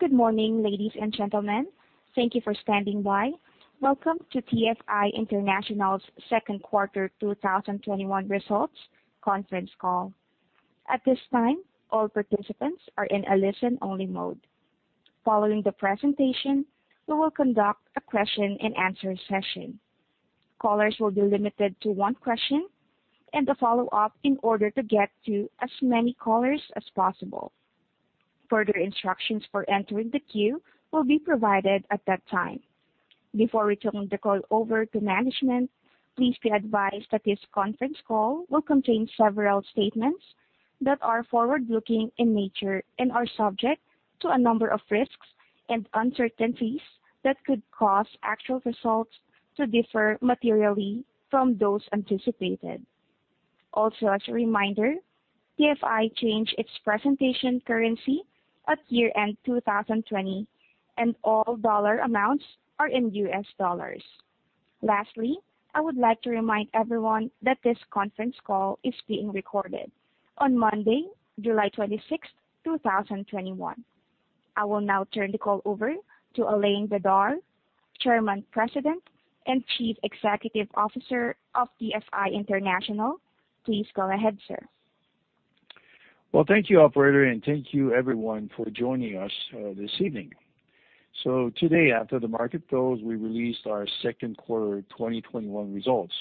Good morning, ladies and gentlemen. Thank you for standing by. Welcome to TFI International's second quarter 2021 results conference call. At this time, all participants are in a listen-only mode. Following the presentation, we will conduct a question-and-answer session. Callers will be limited to one question and a follow-up in order to get to as many callers as possible. Further instructions for entering the queue will be provided at that time. Before we turn the call over to management, please be advised that this conference call will contain several statements that are forward-looking in nature and are subject to a number of risks and uncertainties that could cause actual results to differ materially from those anticipated. Also, as a reminder, TFI changed its presentation currency at year-end 2020, and all dollar amounts are in U.S. dollars. Lastly, I would like to remind everyone that this conference call is being recorded on Monday, July 26, 2021. I will now turn the call over to Alain Bédard, Chairman, President, and Chief Executive Officer of TFI International. Please go ahead, sir. Well, thank you, operator, and thank you everyone for joining us, this evening. Today, after the market closed, we released our second quarter 2021 results.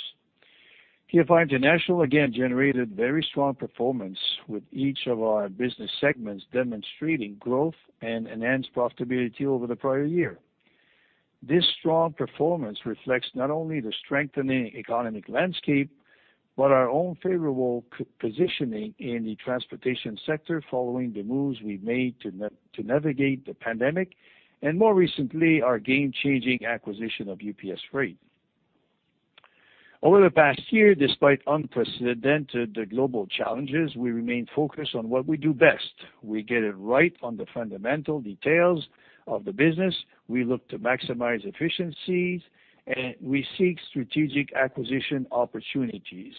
TFI International again generated very strong performance with each of our business segments demonstrating growth and enhanced profitability over the prior year. This strong performance reflects not only the strengthening economic landscape but our own favorable positioning in the transportation sector following the moves we made to navigate the pandemic and more recently, our game-changing acquisition of UPS Freight. Over the past year, despite unprecedented global challenges, we remain focused on what we do best. We get it right on the fundamental details of the business. We look to maximize efficiencies, and we seek strategic acquisition opportunities.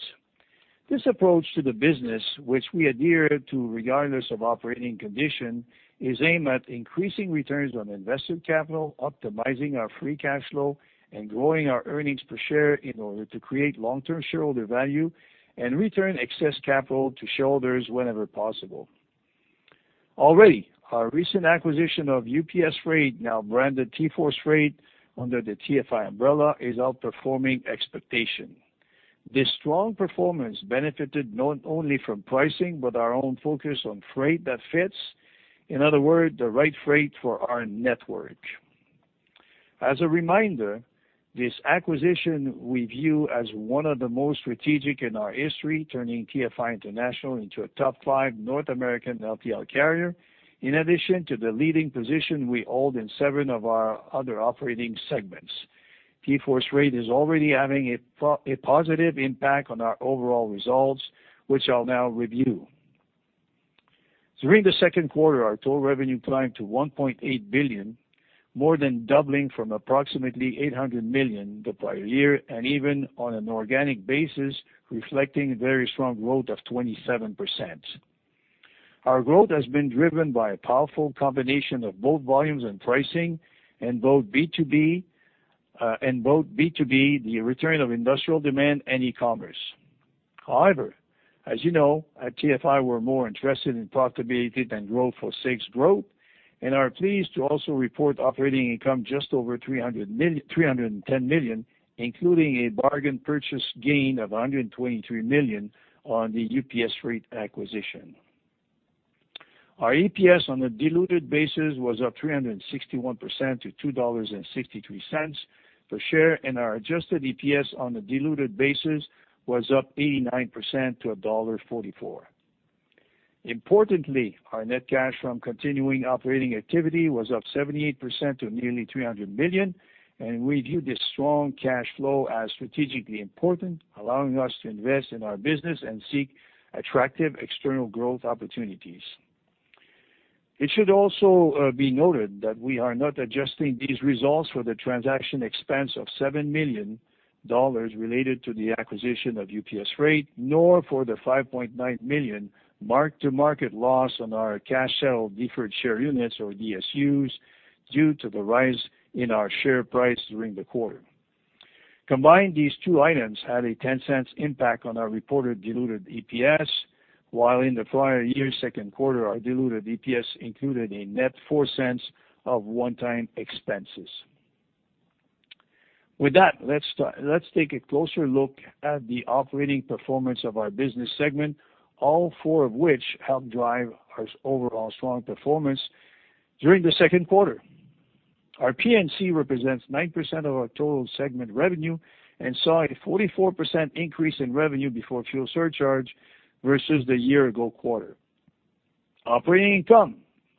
This approach to the business, which we adhere to regardless of operating condition, is aimed at increasing returns on invested capital, optimizing our free cash flow, and growing our earnings per share in order to create long-term shareholder value and return excess capital to shareholders whenever possible. Already, our recent acquisition of UPS Freight, now branded TForce Freight under the TFI umbrella, is outperforming expectations. This strong performance benefited not only from pricing, but our own focus on freight that fits, in other words, the right freight for our network. As a reminder, this acquisition we view as one of the most strategic in our history, turning TFI International into a top-5 North American LTL carrier. In addition to the leading position we hold in seven of our other operating segments. TForce Freight is already having a positive impact on our overall results, which I'll now review. During the second quarter, our total revenue climbed to $1.8 billion, more than doubling from approximately $800 million the prior year, and even on an organic basis, reflecting very strong growth of 27%. Our growth has been driven by a powerful combination of both volumes and pricing and both B2B, the return of industrial demand and e-commerce. However, as you know, at TFI we're more interested in profitability than growth for sake's growth and are pleased to also report operating income just over $310 million, including a bargain purchase gain of $123 million on the UPS Freight acquisition. Our EPS on a diluted basis was up 361% to $2.63 per share, and our adjusted EPS on a diluted basis was up 89% to $1.44. Importantly, our net cash from continuing operating activity was up 78% to nearly $300 million, and we view this strong cash flow as strategically important, allowing us to invest in our business and seek attractive external growth opportunities. It should also be noted that we are not adjusting these results for the transaction expense of $7 million related to the acquisition of UPS Freight, nor for the $5.9 million mark-to-market loss on our cash settled deferred share units or DSUs due to the rise in our share price during the quarter. Combined, these two items had a $0.10 impact on our reported diluted EPS, while in the prior year's second quarter, our diluted EPS included a net $0.04 of one-time expenses. With that, let's take a closer look at the operating performance of our business segment, all four of which helped drive our overall strong performance during the second quarter. Our P&C represents 9% of our total segment revenue and saw a 44% increase in revenue before fuel surcharge versus the year-ago quarter. Operating income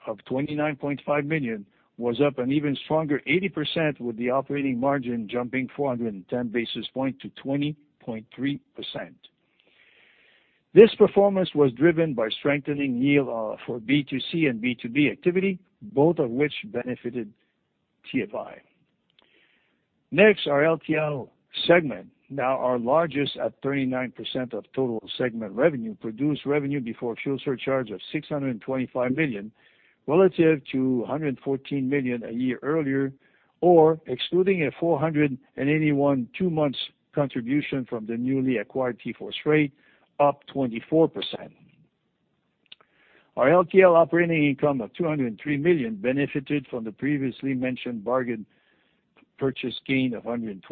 of $29.5 million was up an even stronger 80%, with the operating margin jumping 410 basis points to 20.3%. This performance was driven by strengthening yield, for B2C and B2B activity, both of which benefited TFI.Next, our LTL segment, now our largest at 39% of total segment revenue, produced revenue before fuel surcharge of $625 million, relative to $114 million a year earlier, or excluding a $481 million contribution from the newly acquired TForce Freight, up 24%. Our LTL operating income of $203 million benefited from the previously mentioned bargain purchase gain of $123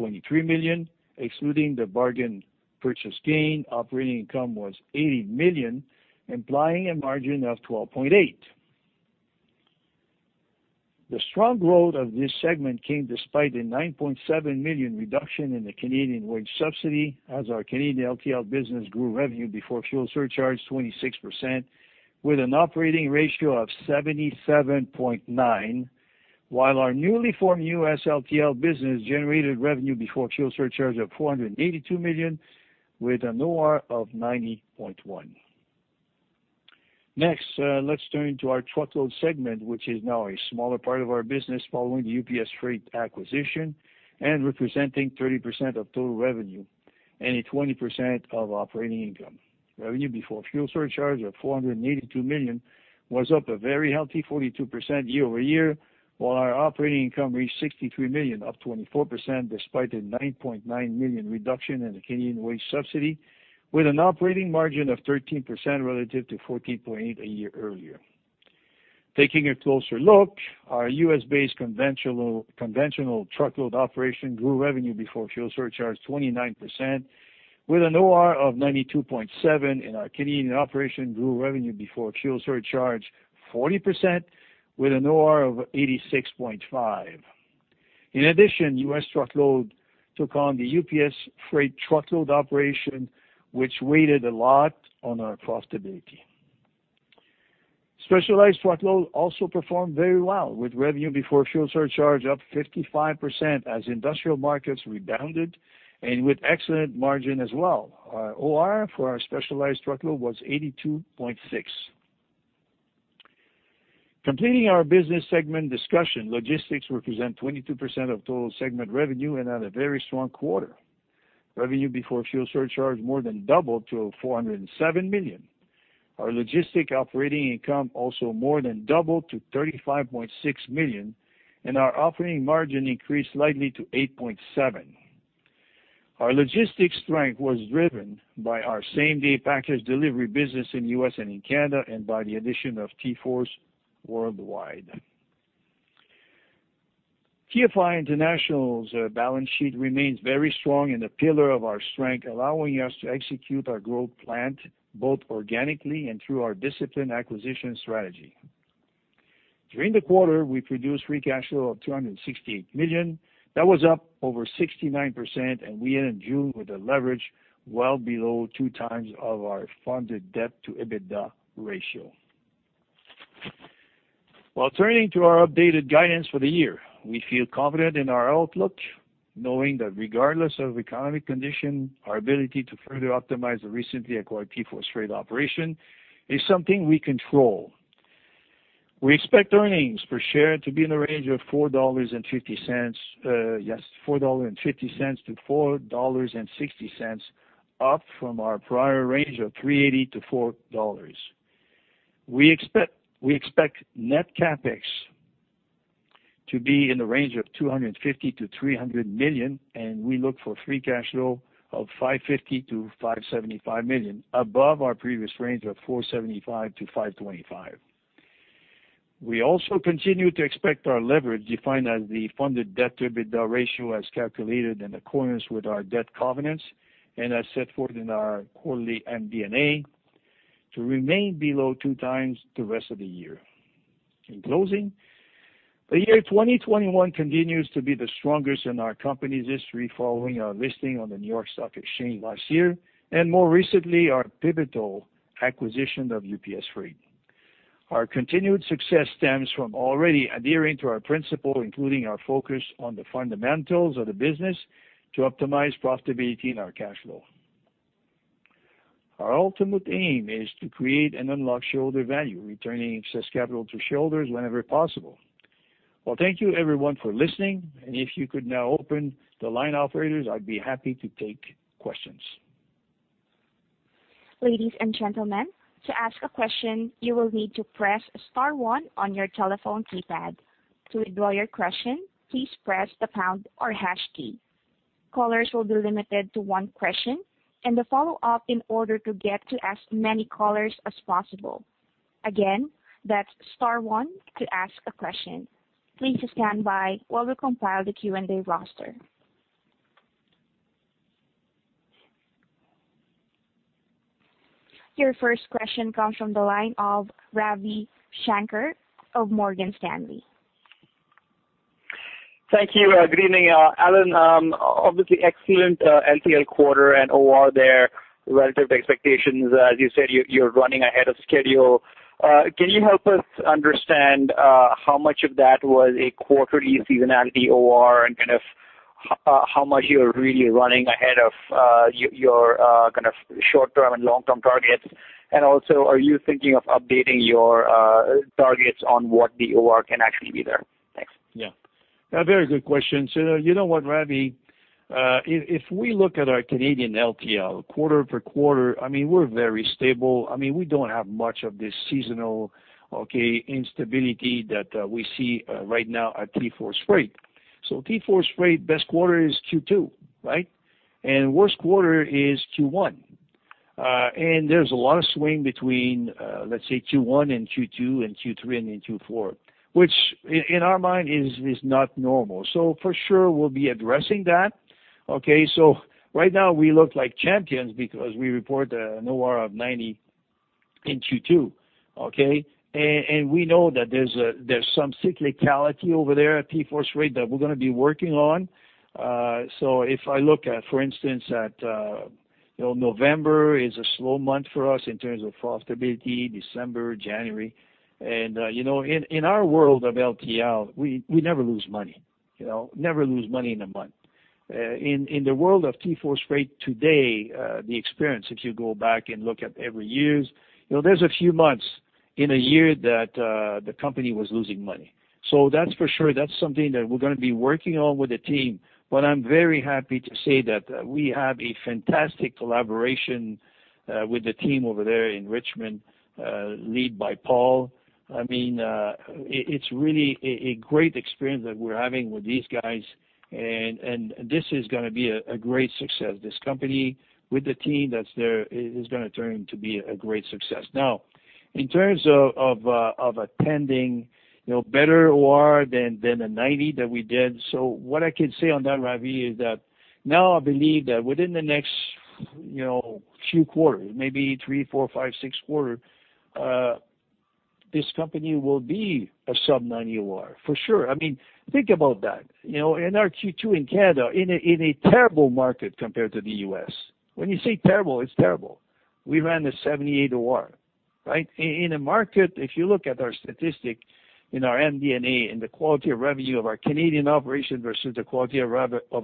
million. Excluding the bargain purchase gain, operating income was $80 million, implying a margin of 12.8%. The strong growth of this segment came despite a $9.7 million reduction in the Canadian wage subsidy as our Canadian LTL business grew revenue before fuel surcharge 26% with an operating ratio of 77.9%, while our newly formed U.S. LTL business generated revenue before fuel surcharge of $482 million with an OR of 90.1%. Next, let's turn to our truckload segment, which is now a smaller part of our business following the UPS Freight acquisition and representing 30% of total revenue and a 20% of operating income. Revenue before fuel surcharge of $482 million was up a very healthy 42% year-over-year, while our operating income reached $63 million, up 24% despite a $9.9 million reduction in the Canadian wage subsidy, with an operating margin of 13% relative to 14.8% a year earlier. Taking a closer look, our U.S.-based conventional truckload operation grew revenue before fuel surcharge 29% with an OR of 92.7%, and our Canadian operation grew revenue before fuel surcharge 40% with an OR of 86.5%. In addition, U.S. truckload took on the UPS Freight truckload operation, which weighted a lot on our profitability. Specialized truckload also performed very well, with revenue before fuel surcharge up 55% as industrial markets rebounded and with excellent margin as well. Our OR for our specialized truckload was 82.6%. Completing our business segment discussion, logistics represent 22% of total segment revenue and had a very strong quarter. Revenue before fuel surcharge more than doubled to $407 million. Our logistic operating income also more than doubled to $35.6 million, our operating margin increased slightly to 8.7%. Our logistics strength was driven by our same-day package delivery business in U.S. and in Canada and by the addition of TForce Worldwide. TFI International's balance sheet remains very strong and a pillar of our strength, allowing us to execute our growth plan both organically and through our disciplined acquisition strategy. During the quarter, we produced free cash flow of $268 million. That was up over 69%, we end June with a leverage well below 2x of our funded debt-to-EBITDA ratio. Turning to our updated guidance for the year, we feel confident in our outlook, knowing that regardless of economic condition, our ability to further optimize the recently acquired TForce Freight operation is something we control. We expect earnings per share to be in the range of $4.50-$4.60, up from our prior range of $3.80-$4. We expect net CapEx to be in the range of $250 million-$300 million, and we look for free cash flow of $550 million-$575 million, above our previous range of $475 million-$525 million. We also continue to expect our leverage, defined as the funded debt-to-EBITDA ratio as calculated in accordance with our debt covenants and as set forth in our quarterly MD&A, to remain below 2x the rest of the year. In closing, the year 2021 continues to be the strongest in our company's history following our listing on the New York Stock Exchange last year and more recently, our pivotal acquisition of UPS Freight. Our continued success stems from already adhering to our principle, including our focus on the fundamentals of the business to optimize profitability and our cash flow. Our ultimate aim is to create and unlock shareholder value, returning excess capital to shareholders whenever possible. Well, thank you everyone for listening, and if you could now open the line operators, I'd be happy to take questions. Ladies and gentlemen, to ask a question, you will need to press star one on your telephone keypad. To withdraw your question, please press the pound or hash key. Callers will be limited to one question and a follow-up in order to get to as many callers as possible. Again, that's star one to ask a question. Please just stand by while we compile the Q&A roster. Your first question comes from the line of Ravi Shanker of Morgan Stanley. Thank you. Good evening, Alain. Obviously excellent LTL quarter and OR there relative to expectations. As you said, you're running ahead of schedule. Can you help us understand how much of that was a quarterly seasonality OR and kind of how much you're really running ahead of your kind of short-term and long-term targets? Also, are you thinking of updating your targets on what the OR can actually be there? Yeah. A very good question. You know what, Ravi, if we look at our Canadian LTL quarter-for-quarter, I mean, we're very stable. I mean, we don't have much of this seasonal, okay, instability that we see right now at TForce Freight. TForce Freight best quarter is Q2, right? Worst quarter is Q1. There's a lot of swing between, let's say Q1 and Q2 and Q3 and in Q4, which in our mind is not normal. For sure we'll be addressing that. Okay. Right now we look like champions because we report an OR of 90 in Q2, okay? We know that there's some cyclicality over there at TForce Freight that we're gonna be working on. If I look at, for instance, at, you know, November is a slow month for us in terms of profitability, December, January. In our world of LTL, we never lose money, you know, never lose money in a month. In the world of TForce Freight today, the experience, if you go back and look at every years, you know, there's a few months in a year that the company was losing money. That's for sure. That's something that we're gonna be working on with the team. I'm very happy to say that we have a fantastic collaboration with the team over there in Richmond, lead by Paul. I mean, it's really a great experience that we're having with these guys and this is going to be a great success. This company with the team that's there is going to turn to be a great success. In terms of attending, you know, better OR than the 90% that we did. What I can say on that, Ravi, is that now I believe that within the next, you know, few quarters, maybe three, four, five, six quarter, this company will be a sub-90 OR for sure. I mean, think about that. You know, in our Q2 in Canada, in a terrible market compared to the U.S., when you say terrible, it's terrible. We ran a 78 OR, right? In a market, if you look at our statistic in our MD&A and the quality of revenue of our Canadian operation versus the quality of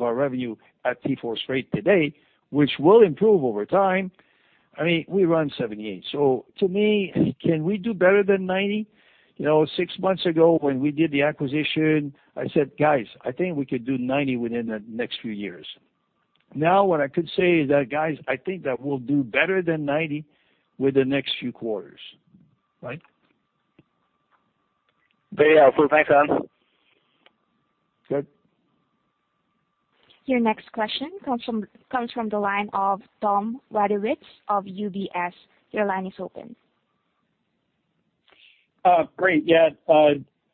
our revenue at TForce Freight today, which will improve over time, I mean, we run 78%. To me, can we do better than 90%? You know, six months ago when we did the acquisition, I said, "Guys, I think we could do 90% within the next few years." What I could say is that, "Guys, I think that we'll do better than 90% with the next few quarters." Right? Very helpful. Thanks, Alain. Good. Your next question comes from the line of Thomas Wadewitz of UBS. Your line is open. Great. Yeah.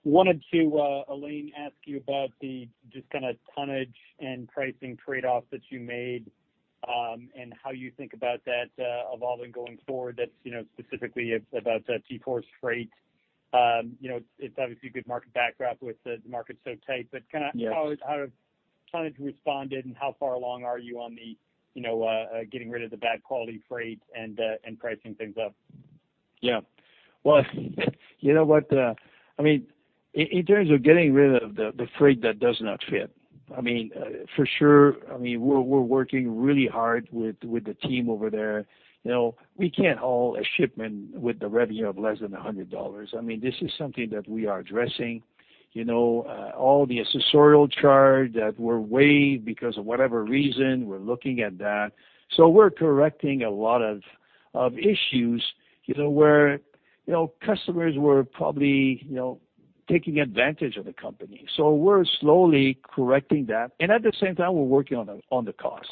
Wanted to, Alain, ask you about the just kinda tonnage and pricing trade-off that you made, and how you think about that evolving going forward. That's, you know, specifically it's about TForce Freight. You know, it's obviously a good market backdrop with the market so tight. Yes. How tonnage responded and how far along are you on the, you know, getting rid of the bad quality freight and pricing things up? Well, you know what, I mean, in terms of getting rid of the freight that does not fit, I mean, for sure, I mean, we're working really hard with the team over there. You know, we can't haul a shipment with the revenue of less than $100. I mean, this is something that we are addressing. You know, all the accessorial charge that were waived because of whatever reason, we're looking at that. We're correcting a lot of issues, you know, where, you know, customers were probably, you know, taking advantage of the company. We're slowly correcting that, and at the same time we're working on the cost.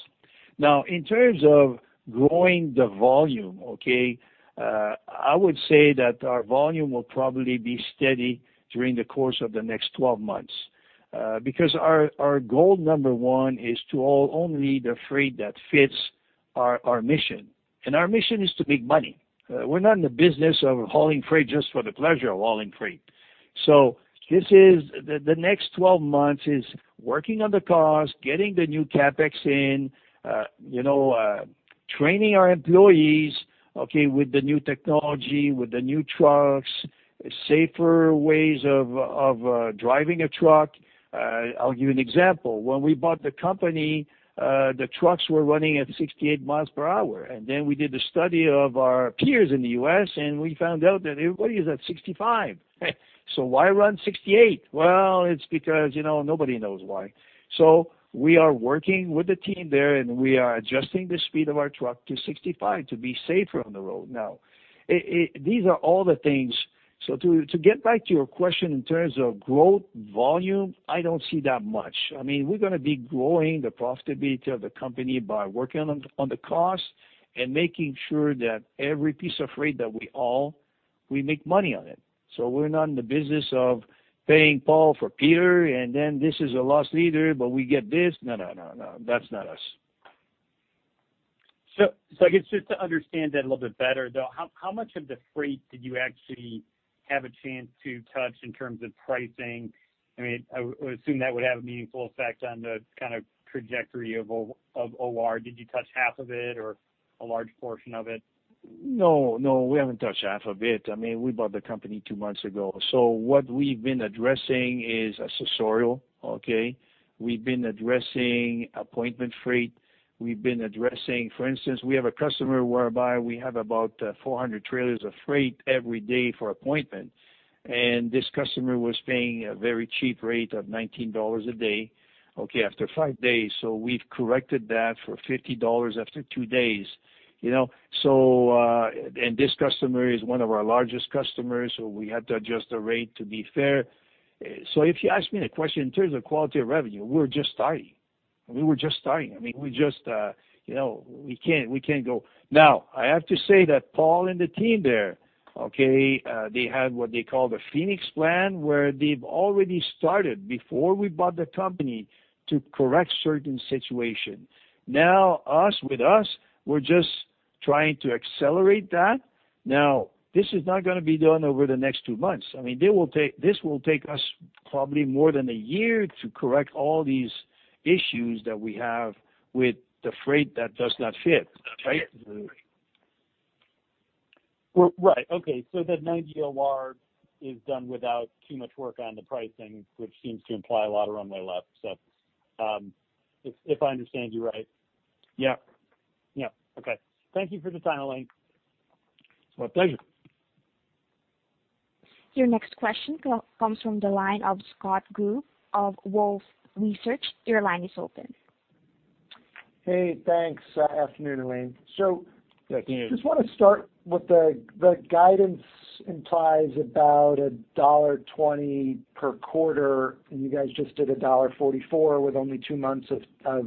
Now, in terms of growing the volume, okay, I would say that our volume will probably be steady during the course of the next 12 months. Because our goal number one is to haul only the freight that fits our mission, and our mission is to make money. We're not in the business of hauling freight just for the pleasure of hauling freight. This is the next 12 months is working on the cost, getting the new CapEx in, you know, training our employees, okay, with the new technology, with the new trucks, safer ways of driving a truck. I'll give you an example. When we bought the company, the trucks were running at 68 mph, we did the study of our peers in the U.S., and we found out that everybody is at 65 mph. Why run 68 mph? Well, it's because, you know, nobody knows why. We are working with the team there, and we are adjusting the speed of our truck to 65 mph to be safer on the road now. These are all the things. To get back to your question in terms of growth volume, I don't see that much. I mean, we're gonna be growing the profitability of the company by working on the cost and making sure that every piece of freight that we haul, we make money on it. We're not in the business of paying Paul for Peter, and then this is a loss leader, but we get this. No, no, no, that's not us. I guess just to understand that a little bit better, though, how much of the freight did you actually have a chance to touch in terms of pricing? I mean, I would assume that would have a meaningful effect on the kind of trajectory of OR. Did you touch half of it or a large portion of it? No, no, we haven't touched half of it. I mean, we bought the company two months ago. What we've been addressing is accessorial, okay? We've been addressing appointment freight. We've been addressing, for instance, we have a customer whereby we have about 400 trailers of freight every day for appointment, and this customer was paying a very cheap rate of $19 a day, okay, after five days. We've corrected that for $50 after two days, you know? And this customer is one of our largest customers, so we had to adjust the rate to be fair. If you ask me the question in terms of quality of revenue, we're just starting. We were just starting. I mean, we just, you know, we can't go. I have to say that Paul and the team there, okay, they had what they call the Phoenix plan, where they've already started before we bought the company to correct certain situation. With us, we're just trying to accelerate that. This is not gonna be done over the next two months. I mean, this will take us probably more than a year to correct all these issues that we have with the freight that does not fit. Right? Right. Okay. That 90 OR is done without too much work on the pricing, which seems to imply a lot of runway left. If I understand you right. Yeah. Yeah. Okay. Thank you for the time, Alain Bédard. My pleasure. Your next question comes from the line of Scott Group of Wolfe Research. Your line is open. Hey, thanks. Afternoon, Alain Bédard. Yes. I just wanna start with the guidance implies about $1.20 per quarter, and you guys just did $1.44 with only two months of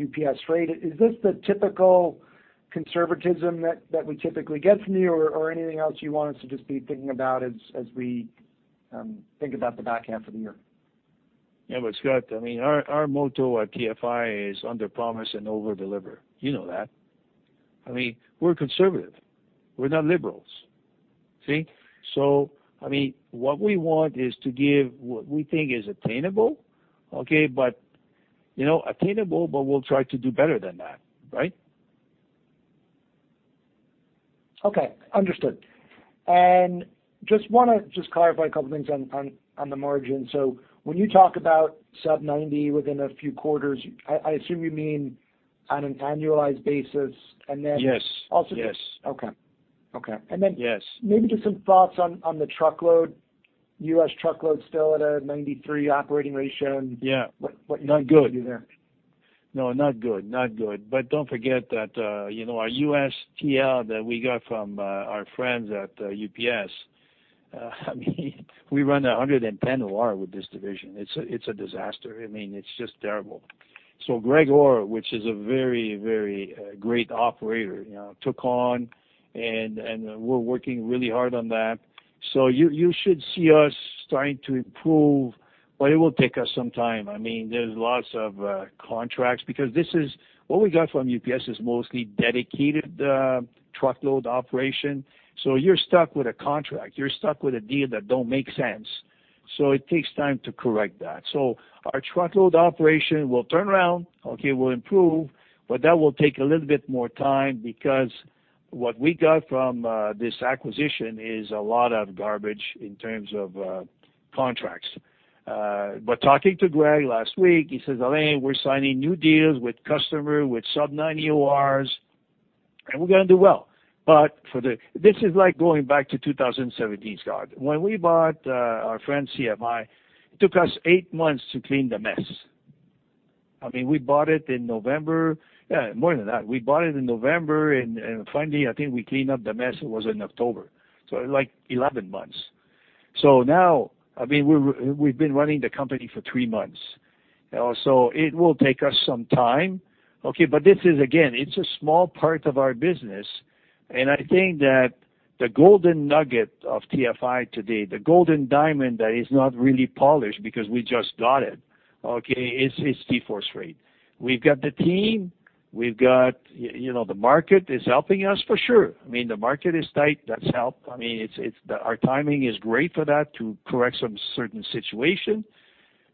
UPS Freight. Is this the typical conservatism that we typically get from you or anything else you want us to just be thinking about as we think about the back half of the year? Scott, I mean, our motto at TFI is under promise and over-deliver. You know that. I mean, we're conservative. We're not liberals. See. I mean, what we want is to give what we think is attainable, okay. You know, attainable, but we'll try to do better than that, right. Okay. Understood. Just want to clarify a couple things on the margin. When you talk about sub 90 within a few quarters, I assume you mean on an annualized basis? Yes. Also- Yes. Okay. Okay. Yes. Maybe just some thoughts on the truckload. U.S. truckload still at a 93 operating ratio. Yeah. What you want to do there? Not good. No, not good. Not good. Don't forget that, you know, our U.S. TL that we got from our friends at UPS, I mean, we run 110 OR with this division. It's a disaster. I mean, it's just terrible. Greg Orr, which is a very, very great operator, you know, took on and we're working really hard on that. You, you should see us starting to improve, but it will take us some time. I mean, there's lots of contracts because what we got from UPS is mostly dedicated truckload operation. You're stuck with a contract. You're stuck with a deal that don't make sense. It takes time to correct that. Our truckload operation will turn around, okay, will improve, but that will take a little bit more time because what we got from this acquisition is a lot of garbage in terms of contracts. Talking to Greg last week, he says, "Alain, we're signing new deals with customer, with sub 90 ORs, and we're gonna do well." This is like going back to 2017, Scott. When we bought our friend CFI, it took us eight months to clean the mess. I mean, we bought it in November. Yeah, more than that. We bought it in November, and finally, I think we cleaned up the mess, it was in October. Like 11 months. Now, I mean, we've been running the company for three months. It will take us some time, okay? This is, again, it's a small part of our business. I think that the golden nugget of TFI today, the golden diamond that is not really polished because we just got it, okay, is TForce Freight. We've got the team. We've got, you know, the market is helping us for sure. I mean, the market is tight. That's helped. I mean, it's our timing is great for that to correct some certain situation.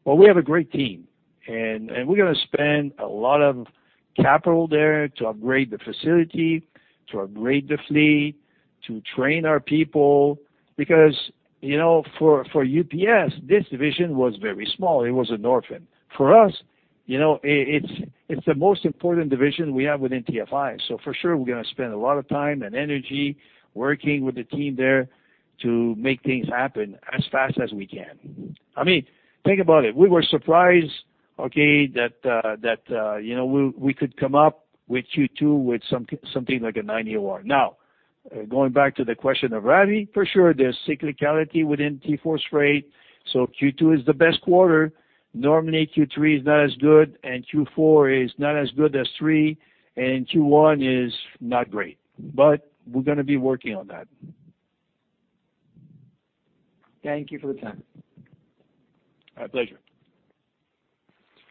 We have a great team, and we're gonna spend a lot of capital there to upgrade the facility, to upgrade the fleet, to train our people. You know, for UPS, this division was very small. It was an orphan. For us, you know, it's the most important division we have within TFI. For sure, we're gonna spend a lot of time and energy working with the team there to make things happen as fast as we can. I mean think about it. We were surprised, okay, that, you know, we could come up with Q2 with something like a 90 OR. Going back to the question of Ravi, for sure, there's cyclicality within TForce Freight, so Q2 is the best quarter. Normally, Q3 is not as good, and Q4 is not as good as three, and Q1 is not great. We're gonna be working on that. Thank you for the time. My pleasure.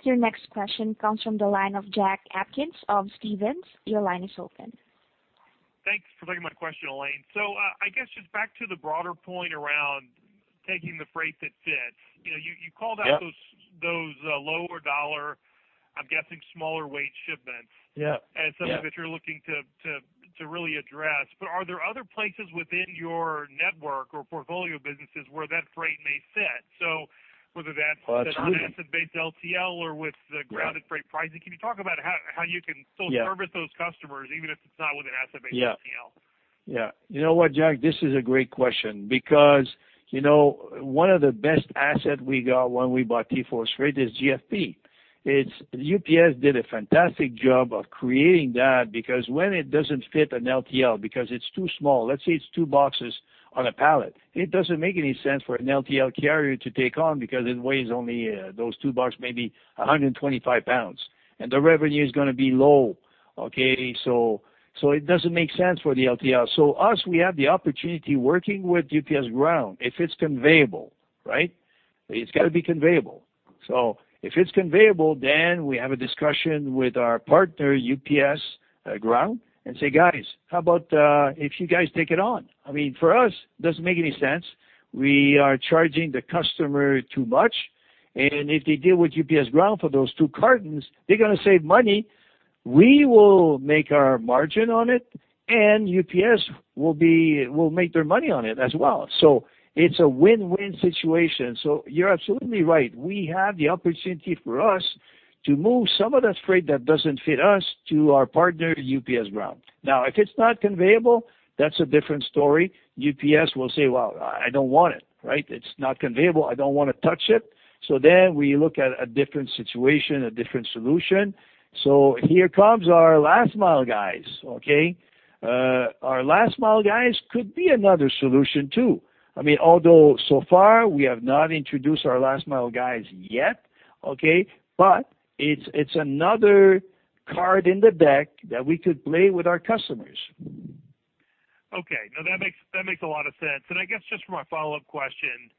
Your next question comes from the line of Jack Atkins of Stephens. Your line is open. Thanks for taking my question, Alain. I guess just back to the broader point around taking the freight that fits. You know, you called out those- Yeah. Those, lower dollar I'm guessing smaller weight shipments. Yeah. Yeah. as some of it you're looking to really address. Are there other places within your network or portfolio businesses where that freight may fit? Absolutely. -an asset-based LTL or with the- Yeah Ground Freight Pricing, can you talk about how you can still service those customers, even if it's not with an asset-based LTL? Yeah. Yeah. You know what, Jack? This is a great question because, you know, one of the best asset we got when we bought TForce Freight is GFP. UPS did a fantastic job of creating that because when it doesn't fit an LTL, because it's too small, let's say it's two boxes on a pallet, it doesn't make any sense for an LTL carrier to take on because it weighs only, those two box, maybe 125 lbs, and the revenue is gonna be low, okay? So it doesn't make sense for the LTL. Us, we have the opportunity working with UPS Ground, if it's conveyable, right? It's gotta be conveyable. If it's conveyable, then we have a discussion with our partner, UPS Ground, and say, "Guys, how about if you guys take it on?" I mean, for us, it doesn't make any sense. We are charging the customer too much, and if they deal with UPS Ground for those two cartons, they're gonna save money. We will make our margin on it, and UPS will make their money on it as well. It's a win-win situation. You're absolutely right. We have the opportunity for us to move some of that freight that doesn't fit us to our partner, UPS Ground. If it's not conveyable, that's a different story. UPS will say, "Well, I don't want it." Right? "It's not conveyable. I don't wanna touch it." We look at a different situation, a different solution. Here comes our last mile guys. Our last mile guys could be another solution, too. I mean, although so far, we have not introduced our last mile guys yet. It's another card in the deck that we could play with our customers. Okay. No, that makes a lot of sense. I guess just for my follow-up question,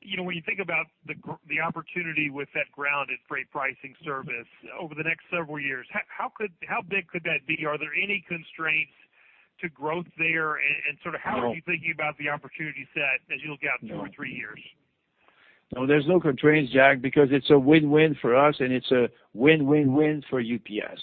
you know, when you think about the opportunity with that grounded freight pricing service over the next several years, how big could that be? Are there any constraints to growth there? Sort of how are you thinking about the opportunity set as you look out two or three years? No, there's no constraints, Jack, because it's a win-win for us, and it's a win-win-win for UPS.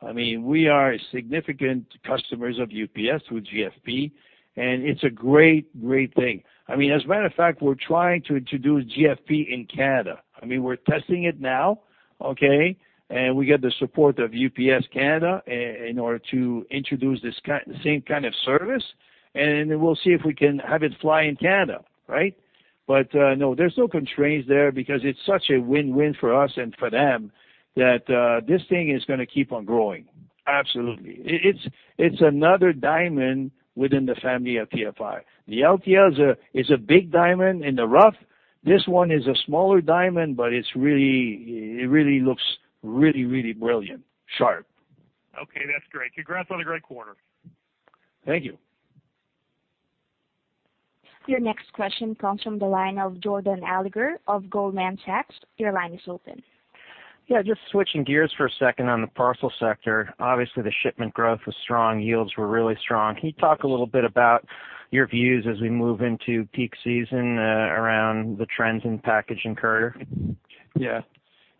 I mean, we are significant customers of UPS with GFP, and it's a great thing. I mean, as a matter of fact, we're trying to introduce GFP in Canada. I mean, we're testing it now, okay? We get the support of UPS Canada in order to introduce this same kind of service, and then we'll see if we can have it fly in Canada, right? No, there's no constraints there because it's such a win-win for us and for them that this thing is gonna keep on growing. Absolutely. It's another diamond within the family of TFI. The LTL is a big diamond in the rough. This one is a smaller diamond, but it really looks really, really brilliant, sharp. Okay, that's great. Congrats on a great quarter. Thank you. Your next question comes from the line of Jordan Alliger of Goldman Sachs. Your line is open. Yeah, just switching gears for a second on the parcel sector. Obviously, the shipment growth was strong. Yields were really strong. Can you talk a little bit about your views as we move into peak season, around the trends in package and courier? Yeah.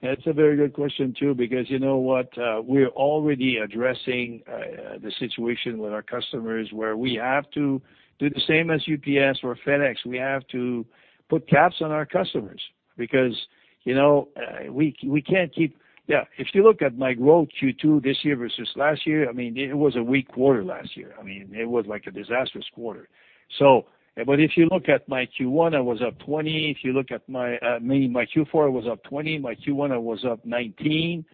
That's a very good question, too, because you know what? We're already addressing the situation with our customers where we have to do the same as UPS or FedEx. We have to put caps on our customers because, you know, we can't keep if you look at my growth Q2 this year versus last year, I mean, it was a weak quarter last year. I mean, it was like a disastrous quarter. If you look at my Q1, I was up 20. If you look at my, I mean, my Q4, I was up 20. My Q1, I was up 19.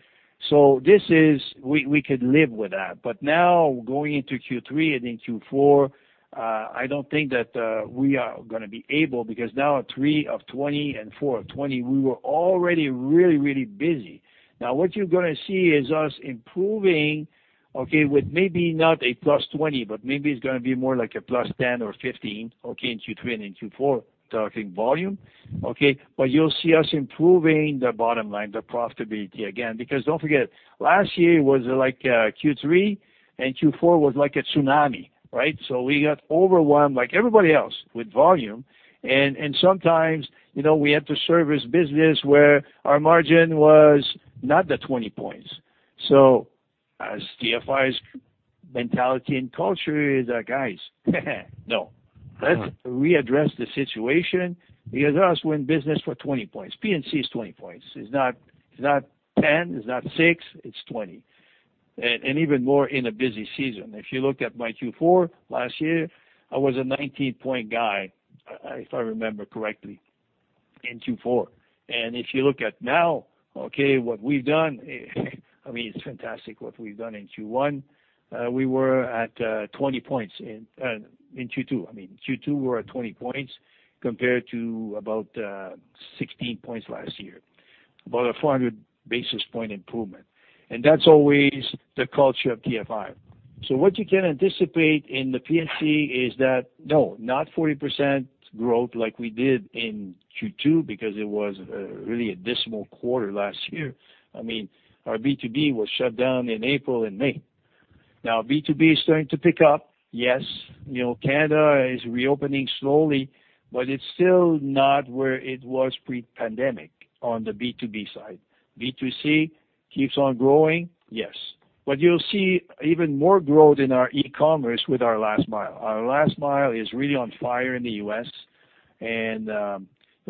We could live with that. Now going into Q3 and in Q4, I don't think that we are going to be able because now at three of 2020 and four of 2020, we were already really, really busy. Now, what you're going to see is us improving, with maybe not a +20, but maybe it's going to be more like a +10 or 15 in Q3 and in Q4 targeting volume. You'll see us improving the bottom line, the profitability again. Don't forget, last year was like Q3, and Q4 was like a tsunami, right? We got overwhelmed like everybody else with volume. Sometimes, you know, we had to service business where our margin was not the 20 points. As TFI's mentality and culture is that, guys, no. Let's readdress the situation because us win business for 20 points. P&C is 20 points. It's not 10, it's not six, it's 20. Even more in a busy season. If you look at my Q4 last year, I was a 19-point guy, if I remember correctly in Q4. If you look at now, okay, what we've done, I mean, it's fantastic what we've done in Q1. We were at 20 points in Q2. I mean, Q2 we're at 20 points compared to about 16 points last year, about a 400 basis point improvement. That's always the culture of TFI. What you can anticipate in the P&C is that, no, not 40% growth like we did in Q2 because it was really a dismal quarter last year. I mean, our B2B was shut down in April and May. B2B is starting to pick up. Yes. You know, Canada is reopening slowly, but it's still not where it was pre-pandemic on the B2B side. B2C keeps on growing, yes. You'll see even more growth in our e-commerce with our last mile. Our last mile is really on fire in the U.S., and, you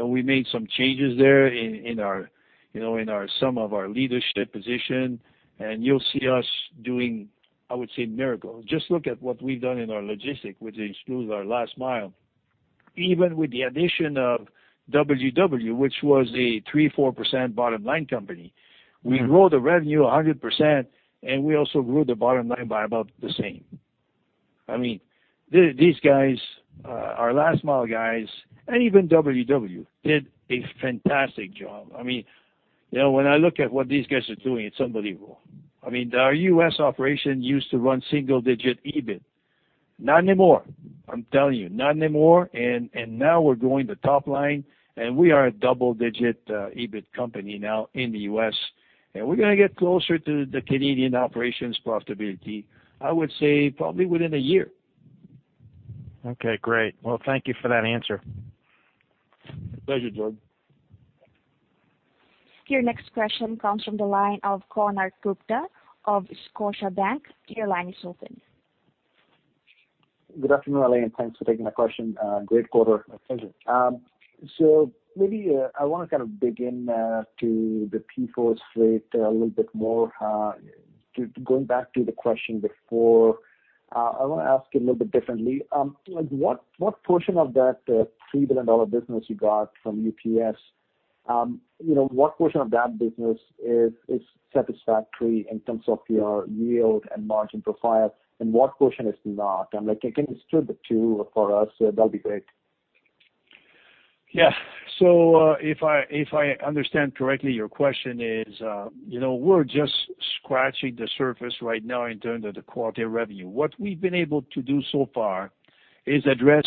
know, we made some changes there in our, you know, in our some of our leadership position, and you'll see us doing, I would say, miracles. Just look at what we've done in our logistics, which includes our last mile. Even with the addition of TWW, which was a 3%, 4% bottom line company- We grew the revenue 100%, and we also grew the bottom line by about the same. I mean, these guys, our last mile guys and even TWW did a fantastic job. I mean, you know, when I look at what these guys are doing, it's unbelievable. I mean, our U.S. operation used to run single-digit EBIT. Not anymore. I'm telling you, not anymore, and now we're growing the top line, and we are a double-digit EBIT company now in the U.S., and we're gonna get closer to the Canadian operations profitability, I would say, probably within a year. Okay, great. Well, thank you for that answer. Pleasure, Jordan. Your next question comes from the line of Konark Gupta of Scotiabank. Your line is open. Good afternoon, Alain, thanks for taking my question. Great quarter. Thank you. Maybe, I wanna kind of dig in to the TForce Freight a little bit more. Going back to the question before, I wanna ask you a little bit differently. Like what portion of that $3 billion business you got from UPS, you know, what portion of that business is satisfactory in terms of your yield and margin profile, and what portion is not? Like, can you split the two for us? That'll be great. Yeah. If I understand correctly, your question is, you know, we're just scratching the surface right now in terms of the quality of revenue. What we've been able to do so far is address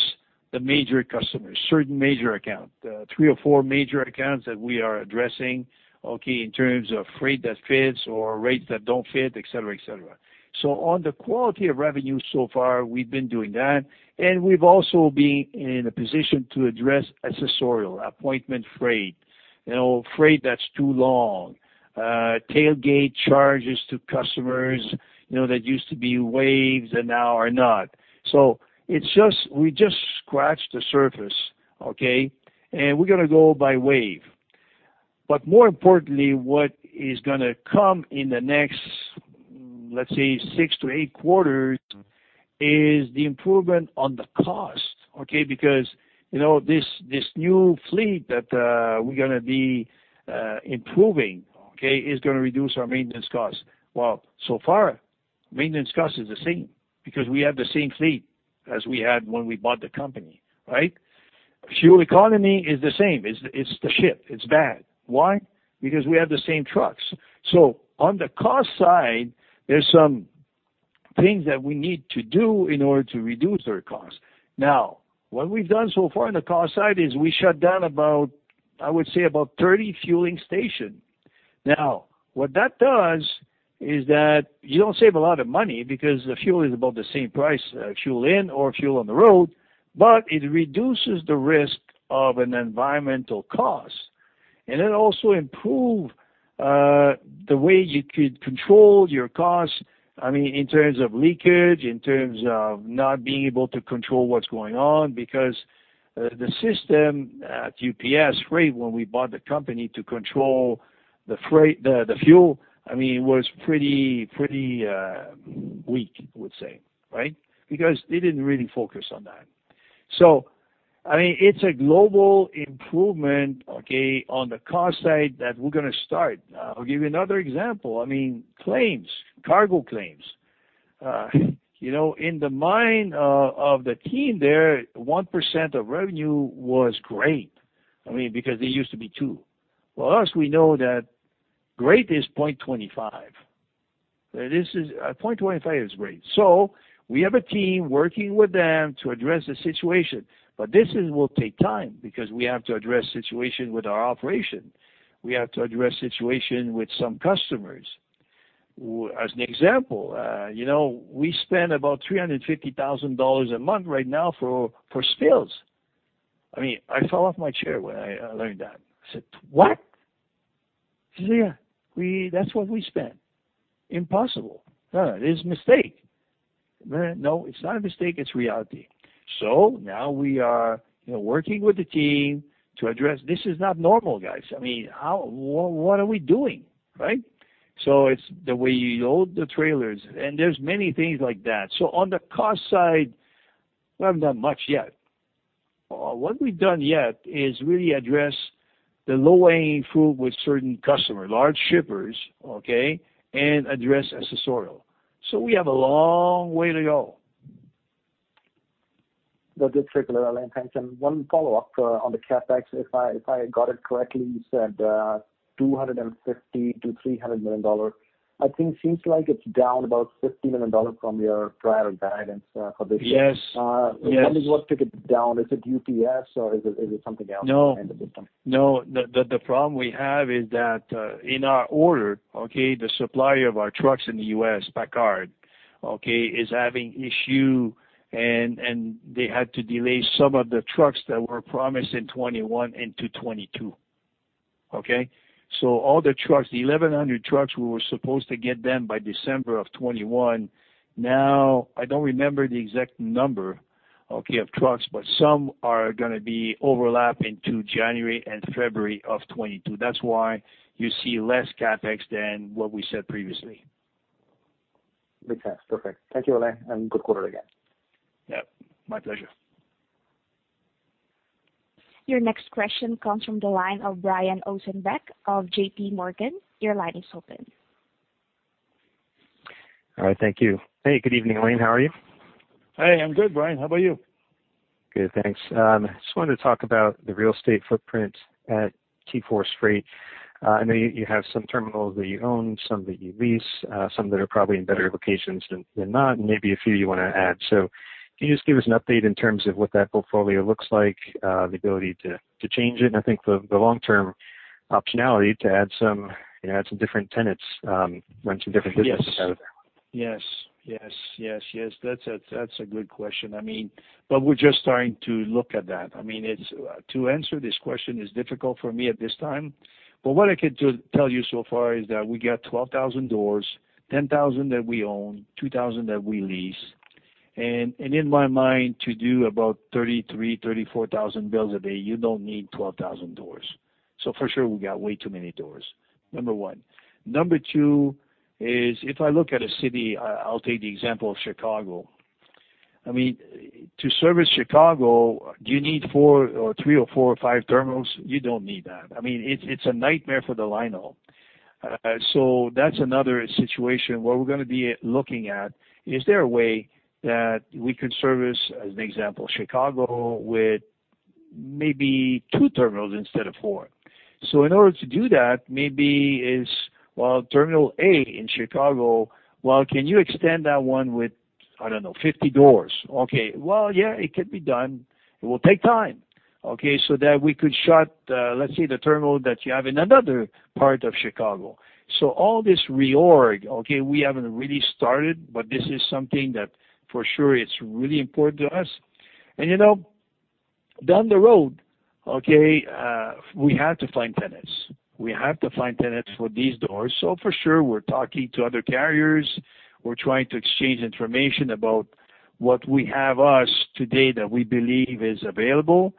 the major customers, certain major account. three or four major accounts that we are addressing, okay, in terms of freight that fits or rates that don't fit, et cetera, et cetera. On the quality of revenue so far, we've been doing that, and we've also been in a position to address accessorial, appointment freight. You know, freight that's too long, tailgate charges to customers, you know, that used to be waived and now are not. We just scratched the surface, okay? We're gonna go by wave. More importantly, what is gonna come in the next, let's say, six to eight quarters is the improvement on the cost, okay. You know, this new fleet that we're gonna be improving, okay, is gonna reduce our maintenance costs. Well, so far, maintenance cost is the same because we have the same fleet as we had when we bought the company, right. Fuel economy is the same. It's the shit. It's bad. Why? We have the same trucks. On the cost side, there's some things that we need to do in order to reduce our costs. Now, what we've done so far on the cost side is we shut down about, I would say, about 30 fueling stations. What that does is that you don't save a lot of money because the fuel is about the same price, fuel in or fuel on the road, but it reduces the risk of an environmental cost, and it also improve the way you could control your costs, I mean, in terms of leakage, in terms of not being able to control what's going on. The system at UPS Freight when we bought the company to control the fuel, I mean, was pretty weak, I would say, right? They didn't really focus on that. I mean, it's a global improvement, okay, on the cost side that we're gonna start. I'll give you another example. I mean, claims, cargo claims. You know, in the mind of the team there, 1% of revenue was great, I mean, because they used to be 2. For us, we know that great is 0.25. This is 0.25 is great. We have a team working with them to address the situation, but this will take time because we have to address situation with our operation. We have to address situation with some customers. As an example, you know, we spend about $350,000 a month right now for spills. I mean, I fell off my chair when I learned that. I said, "What." She said, "Yeah, that's what we spend." "Impossible. No, there's a mistake." "No, it's not a mistake. It's reality." Now we are, you know, working with the team to address. This is not normal, guys. I mean, what are we doing, right? It's the way you load the trailers, and there's many things like that. On the cost side, we haven't done much yet. What we've done yet is really address the low hanging fruit with certain customer, large shippers, okay? Address accessorial. We have a long way to go. That's it for Alain. Thanks. One follow-up on the CapEx. If I got it correctly, you said $250 million-$300 million. I think seems like it's down about $50 million from your prior guidance for this year. Yes. Yes. Can you tell me what took it down? Is it UPS or is it something else? No. -in the business? No. The problem we have is that, in our order, okay, the supplier of our trucks in the U.S., PACCAR, okay, is having issue and they had to delay some of the trucks that were promised in 2021 into 2022. Okay. All the trucks, the 1,100 trucks, we were supposed to get them by December of 2021. I don't remember the exact number, okay, of trucks, but some are gonna be overlapping to January and February of 2022. That's why you see less CapEx than what we said previously. Makes sense. Perfect. Thank you, Alain. Good quarter again. Yeah. My pleasure. Your next question comes from the line of Brian Ossenbeck of J.P. Morgan. Your line is open. All right. Thank you. Hey, good evening, Alain. How are you? Hey, I'm good, Brian. How about you? Good, thanks. Just wanted to talk about the real estate footprint at TForce Freight. I know you have some terminals that you own, some that you lease, some that are probably in better locations than not, and maybe a few you wanna add. Can you just give us an update in terms of what that portfolio looks like, the ability to change it, and I think the long-term optionality to add some, you know, some different tenants, run some different businesses. Yes out of there. Yes. Yes. Yes. Yes. That's a, that's a good question. I mean, we're just starting to look at that. I mean, it's difficult for me to answer this question at this time. What I can tell you so far is that we got 12,000 doors, 10,000 doors that we own, 2,000 doors that we lease. In my mind, to do about 33,000-34,000 bills a day, you don't need 12,000 doors. For sure we got way too many doors, number one. Number two is, if I look at a city, I'll take the example of Chicago. I mean, to service Chicago, do you need four or three or four or five terminals? You don't need that. I mean, it's a nightmare for the line haul. That's another situation where we're gonna be looking at, is there a way that we could service, as an example, Chicago with maybe two terminals instead of four? In order to do that, maybe is, well, terminal A in Chicago, well, can you extend that one with, I don't know, 50 doors? Okay. Well, yeah, it could be done. It will take time, okay? That we could shut, let's say the terminal that you have in another part of Chicago. All this reorg, okay, we haven't really started, but this is something that for sure it's really important to us. You know, down the road, okay, we have to find tenants. We have to find tenants for these doors. For sure, we're talking to other carriers. We're trying to exchange information about what we have us today that we believe is available,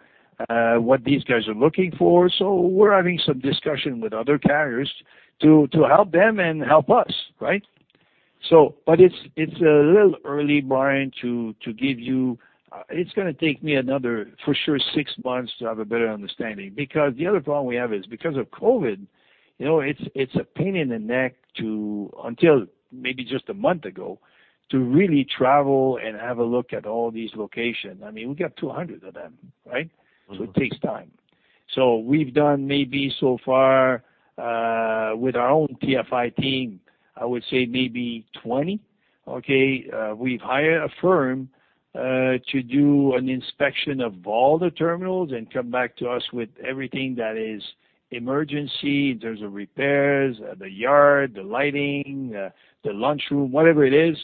what these guys are looking for. We're having some discussion with other carriers to help them and help us, right? It's a little early, Brian, to give you. It's gonna take me another, for sure, six months to have a better understanding. The other problem we have is because of COVID, you know, it's a pain in the neck to, until maybe just a month ago, to really travel and have a look at all these locations. I mean, we got 200 of them, right? It takes time. We've done maybe so far, with our own TFI team, I would say maybe 20. We've hired a firm to do an inspection of all the terminals and come back to us with everything that is emergency in terms of repairs, the yard, the lighting, the lunch room, whatever it is.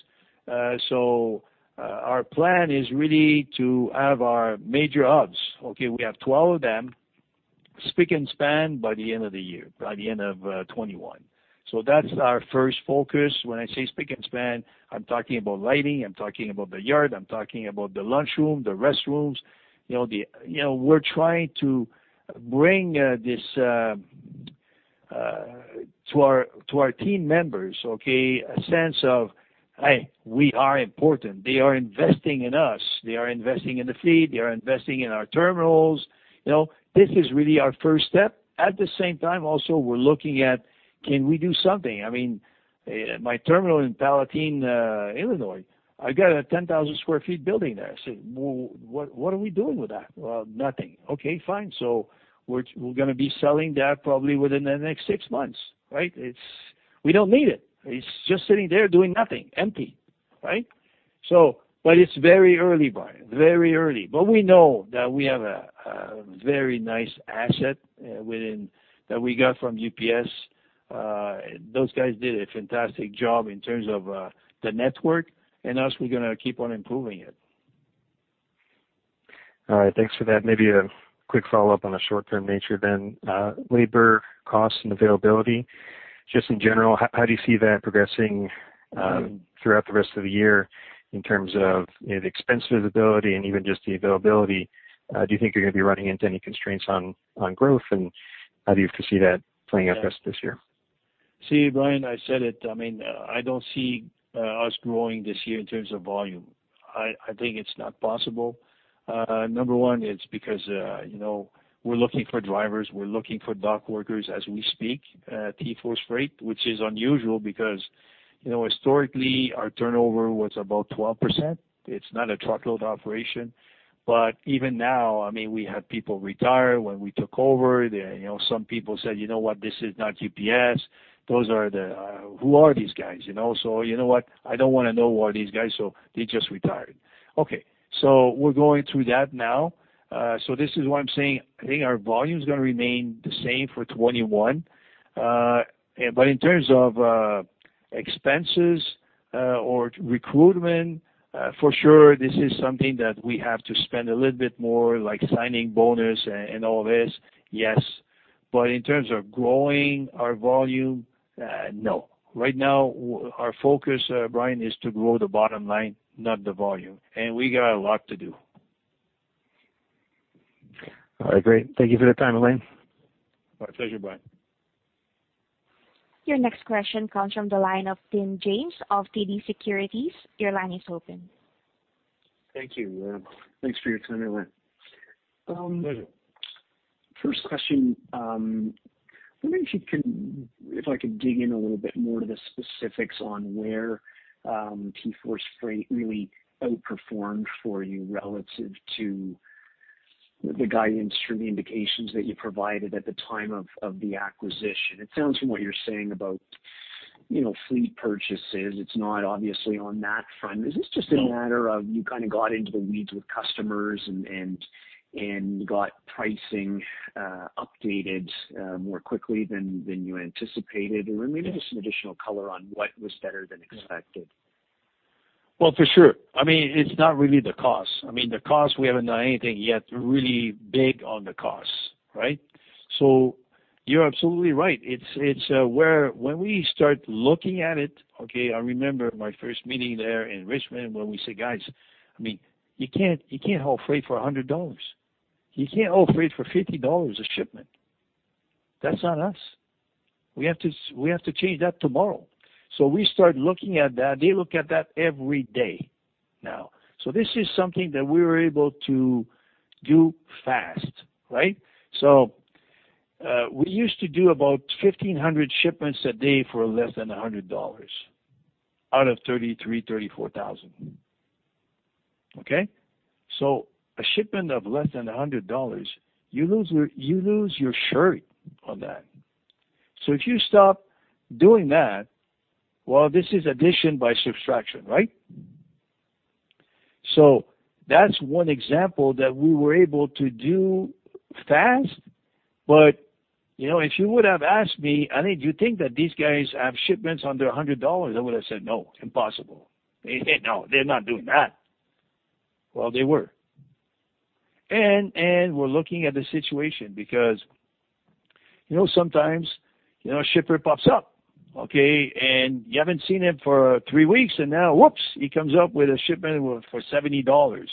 Our plan is really to have our major hubs, we have 12 of them, spick and span by the end of the year, by the end of 2021. That's our first focus. When I say spick and span, I'm talking about lighting, I'm talking about the yard, I'm talking about the lunch room, the restrooms. You know, you know, we're trying to bring this to our, to our team members, a sense of, "Hey, we are important. They are investing in us. They are investing in the fleet. They are investing in our terminals. You know, this is really our first step. At the same time also, we're looking at, can we do something? I mean, my terminal in Palatine, Illinois, I got a 10,000 sq ft building there. I said, "Well, what are we doing with that?" Well, nothing. Okay, fine. We're gonna be selling that probably within the next 6 months, right? We don't need it. It's just sitting there doing nothing, empty, right? It's very early, Brian. Very early. We know that we have a very nice asset that we got from UPS. Those guys did a fantastic job in terms of the network, and us, we're gonna keep on improving it. All right. Thanks for that. Maybe a quick follow-up on a short-term nature. Labor costs and availability, just in general, how do you see that progressing throughout the rest of the year in terms of, you know, the expense visibility and even just the availability? Do you think you're gonna be running into any constraints on growth, how do you foresee that playing out for us this year? See, Brian, I said it. I mean, I don't see us growing this year in terms of volume. I think it's not possible. Number one, it's because, you know, we're looking for drivers, we're looking for dock workers as we speak, TForce Freight, which is unusual because, you know, historically, our turnover was about 12%. It's not a truckload operation. Even now, I mean, we had people retire when we took over. They, you know, some people said, "You know what? This is not UPS. Those are the Who are these guys?" You know? "You know what? I don't wanna know who are these guys," so they just retired. Okay. We're going through that now. This is why I'm saying I think our volume's gonna remain the same for 2021. In terms of Expenses or recruitment, for sure this is something that we have to spend a little bit more like signing bonus and all this. Yes. In terms of growing our volume, no. Right now, our focus, Brian, is to grow the bottom line, not the volume, and we got a lot to do. All right, great. Thank you for the time, Alain. My pleasure, Brian. Your next question comes from the line of Tim James of TD Securities. Your line is open. Thank you. Thanks for your time, Alain. Pleasure. First question, I wonder if I could dig in a little bit more to the specifics on where TForce Freight really outperformed for you relative to the guidance from the indications that you provided at the time of the acquisition. It sounds from what you're saying about, you know, fleet purchases. It's not obviously on that front. Is this just a matter of you kinda got into the weeds with customers and got pricing updated more quickly than you anticipated? Or maybe just some additional color on what was better than expected. Well, for sure. I mean, it's not really the cost. I mean, the cost, we haven't done anything yet really big on the cost, right? You're absolutely right. It's where when we start looking at it, okay, I remember my first meeting there in Richmond when we said, "Guys, I mean, you can't, you can't haul freight for $100. You can't haul freight for $50 a shipment. That's not us. We have to change that tomorrow." We start looking at that. They look at that every day now. This is something that we were able to do fast, right? We used to do about 1,500 shipments a day for less than $100 out of 33,000-34,000 shipments. Okay? A shipment of less than $100, you lose your shirt on that. If you stop doing that, well, this is addition by subtraction, right? That's one example that we were able to do fast. You know, if you would have asked me, "Alain, do you think that these guys have shipments under $100?" I would have said, "No. Impossible. No, they're not doing that." Well, they were. And we're looking at the situation because, you know, sometimes, you know, a shipper pops up, okay, and you haven't seen him for three weeks, and now, whoops, he comes up with a shipment for $70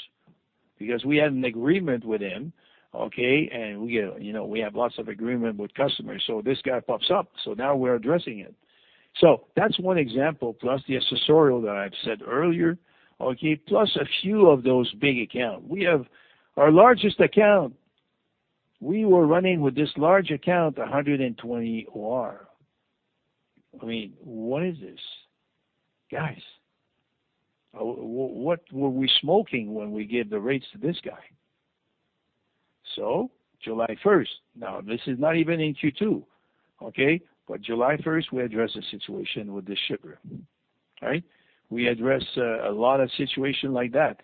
because we had an agreement with him, okay? You know, we have lots of agreement with customers. This guy pops up, so now we're addressing it. That's one example, plus the accessorial that I've said earlier, okay, plus a few of those big account. Our largest account, we were running with this large account, 120 OR. I mean, what is this? Guys, what were we smoking when we gave the rates to this guy? July 1st, now this is not even in Q2, okay? July 1st, we address the situation with the shipper. All right? We address a lot of situation like that.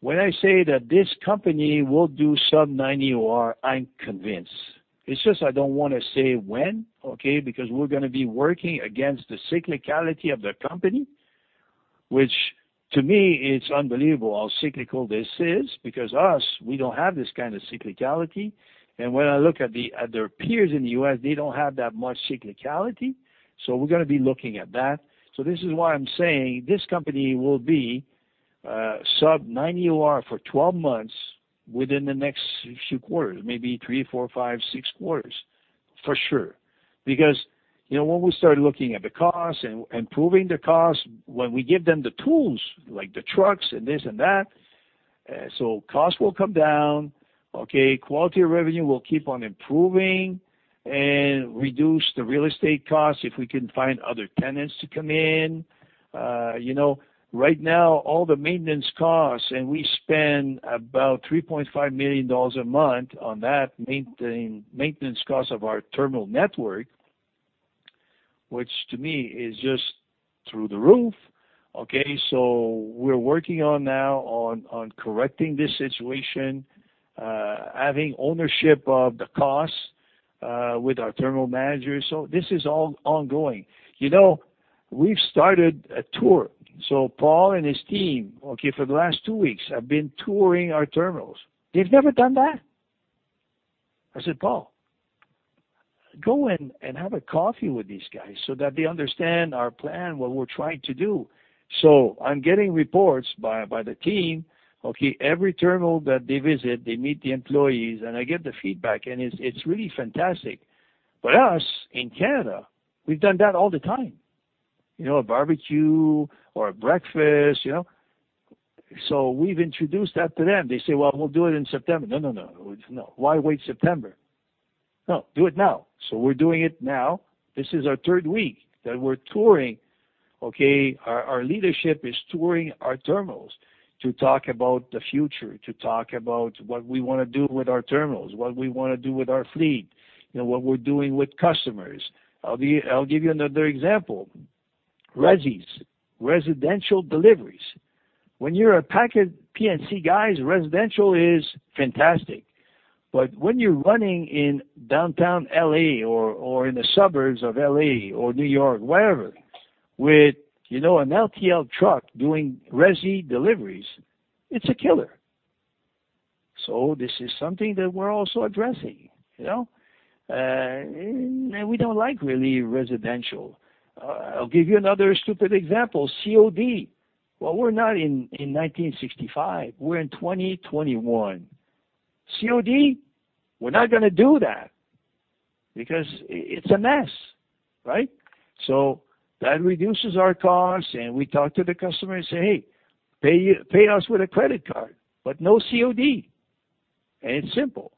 When I say that this company will do sub 9 OR, I'm convinced. It's just I don't wanna say when, okay, because we're gonna be working against the cyclicality of the company, which to me it's unbelievable how cyclical this is because us, we don't have this kind of cyclicality. When I look at their peers in the U.S., they don't have that much cyclicality. We're gonna be looking at that. This is why I'm saying this company will be sub 9 OR for 12 months within the next few quarters, maybe three, four, five, six quarters, for sure. You know, when we start looking at the cost and improving the cost, when we give them the tools like the trucks and this and that, so cost will come down, okay, quality of revenue will keep on improving and reduce the real estate costs if we can find other tenants to come in. You know, right now all the maintenance costs, and we spend about $3.5 million a month on that maintenance cost of our terminal network, which to me is just through the roof, okay. We're working on now on correcting this situation, having ownership of the costs with our terminal managers. This is all ongoing. You know, we've started a tour. Paul and his team, okay, for the last two weeks have been touring our terminals. They've never done that. I said, "Paul, go and have a coffee with these guys so that they understand our plan, what we're trying to do." I'm getting reports by the team, okay, every terminal that they visit, they meet the employees and I get the feedback and it's really fantastic. Us in Canada, we've done that all the time. You know, a barbecue or a breakfast, you know. We've introduced that to them. They say, "Well, we'll do it in September." No, no. No. Why wait September? Do it now. We're doing it now. This is our 3rd week that we're touring, okay? Our leadership is touring our terminals to talk about the future, to talk about what we want to do with our terminals, what we want to do with our fleet, you know, what we're doing with customers. I'll give you another example. Resi, residential deliveries. When you're a package P&C guys, residential is fantastic. When you're running in downtown L.A. or in the suburbs of L.A. or New York, wherever, with, you know, an LTL truck doing resi deliveries, it's a killer. This is something that we're also addressing, you know? We don't like really residential. I'll give you another stupid example, COD. We're not in 1965, we're in 2021. COD, we're not gonna do that because it's a mess, right? That reduces our costs, and we talk to the customer and say, "Hey, pay us with a credit card, but no COD." It's simple.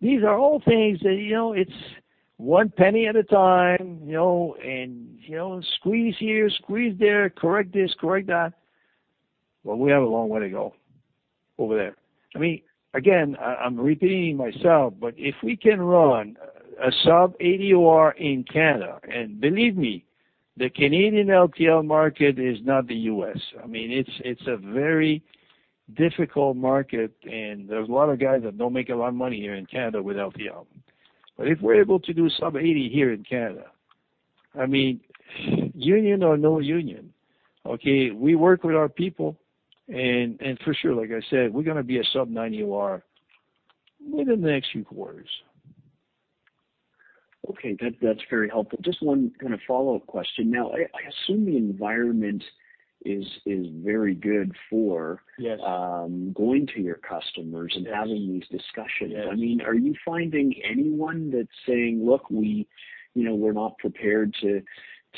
These are all things that, you know, it's one penny at a time, you know, and, you know, squeeze here, squeeze there, correct this, correct that. We have a long way to go over there. I mean, again, I'm repeating myself, but if we can run a sub-80 OR in Canada, and believe me, the Canadian LTL market is not the U.S. I mean, it's a very difficult market, and there's a lot of guys that don't make a lot of money here in Canada with LTL. If we're able to do sub-80 here in Canada, I mean, union or no union, okay, we work with our people and, for sure, like I said, we're gonna be a sub-90 OR within the next few quarters. Okay. That's very helpful. Just one kinda follow-up question. Now, I assume the environment is very good for. Yes going to your customers. Yes having these discussions. Yes. I mean, are you finding anyone that's saying, "Look, we, you know, we're not prepared to?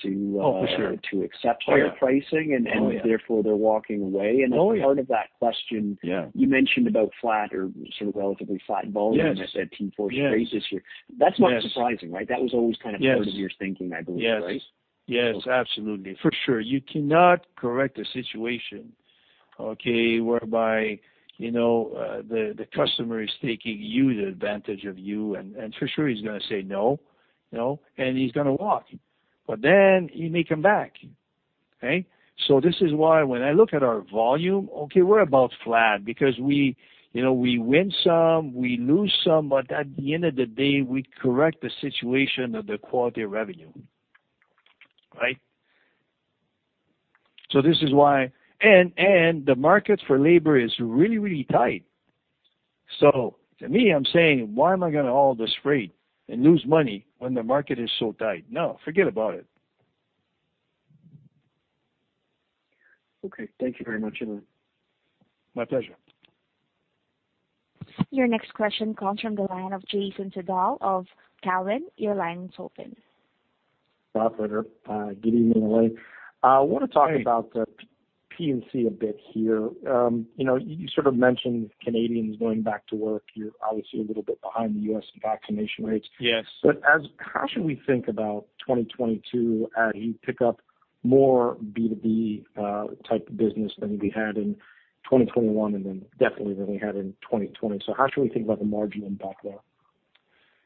Oh, for sure. to accept your pricing. Oh, yeah. therefore they're walking away? Oh, yeah. As part of that question. Yeah you mentioned about flat or sort of relatively flat volume- Yes I said TForce raises here. Yes. That's not surprising, right? Yes part of your thinking, I believe, right? Yes. Yes, absolutely. For sure. You cannot correct a situation, okay, whereby, you know, the customer is taking you, the advantage of you. For sure he's gonna say no, you know, and he's gonna walk. He may come back. Okay? This is why when I look at our volume, okay, we're about flat because we, you know, we win some, we lose some, but at the end of the day, we correct the situation of the quality of revenue, right? This is why the market for labor is really, really tight. To me, I'm saying, "Why am I gonna haul this freight and lose money when the market is so tight?" Forget about it. Okay. Thank you very much, Alain. My pleasure. Your next question comes from the line of Jason Seidl of Cowen. Your line is open. Good evening, Alain. Hey the P&C a bit here. you know, you sort of mentioned Canadians going back to work. You're obviously a little bit behind the U.S. in vaccination rates. Yes. How should we think about 2022 as you pick up more B2B type of business than we had in 2021 and then definitely than we had in 2020? How should we think about the margin impact there?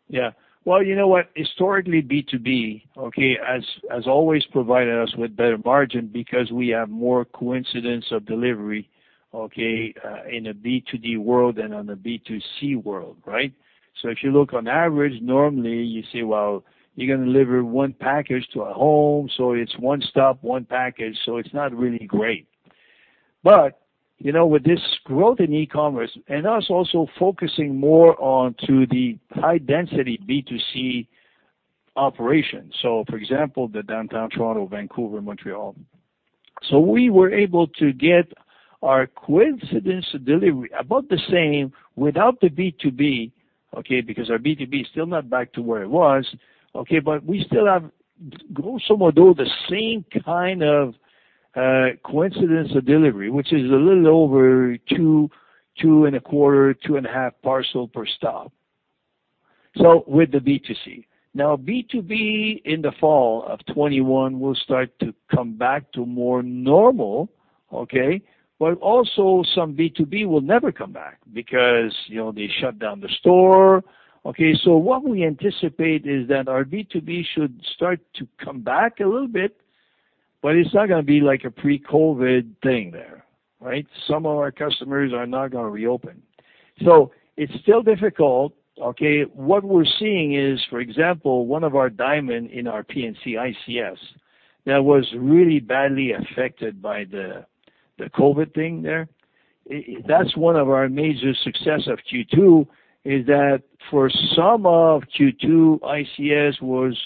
Yeah. Well, you know what? Historically, B2B, okay, has always provided us with better margin because we have more coincidence of delivery, okay, in a B2B world than on a B2C world, right? If you look on average, normally you say, well, you're gonna deliver one package to a home, so it's one stop, one package, so it's not really great. You know, with this growth in e-commerce and us also focusing more onto the high density B2C operations, for example, the downtown Toronto, Vancouver, Montreal. We were able to get our coincidence delivery about the same without the B2B, okay, because our B2B is still not back to where it was, okay? We still have go somewhat do the same kind of coincidence of delivery, which is a little over 2.25, 2.5 parcel per stop. With the B2C. B2B in the fall of 2021 will start to come back to more normal, okay? Also some B2B will never come back because, you know, they shut down the store. What we anticipate is that our B2B should start to come back a little bit, but it's not going to be like a pre-COVID thing there, right? Some of our customers are not going to reopen. It's still difficult, okay? What we're seeing is, for example, one of our diamond in our P&C ICS that was really badly affected by the COVID thing there. That's one of our major success of Q2, is that for some of Q2, ICS was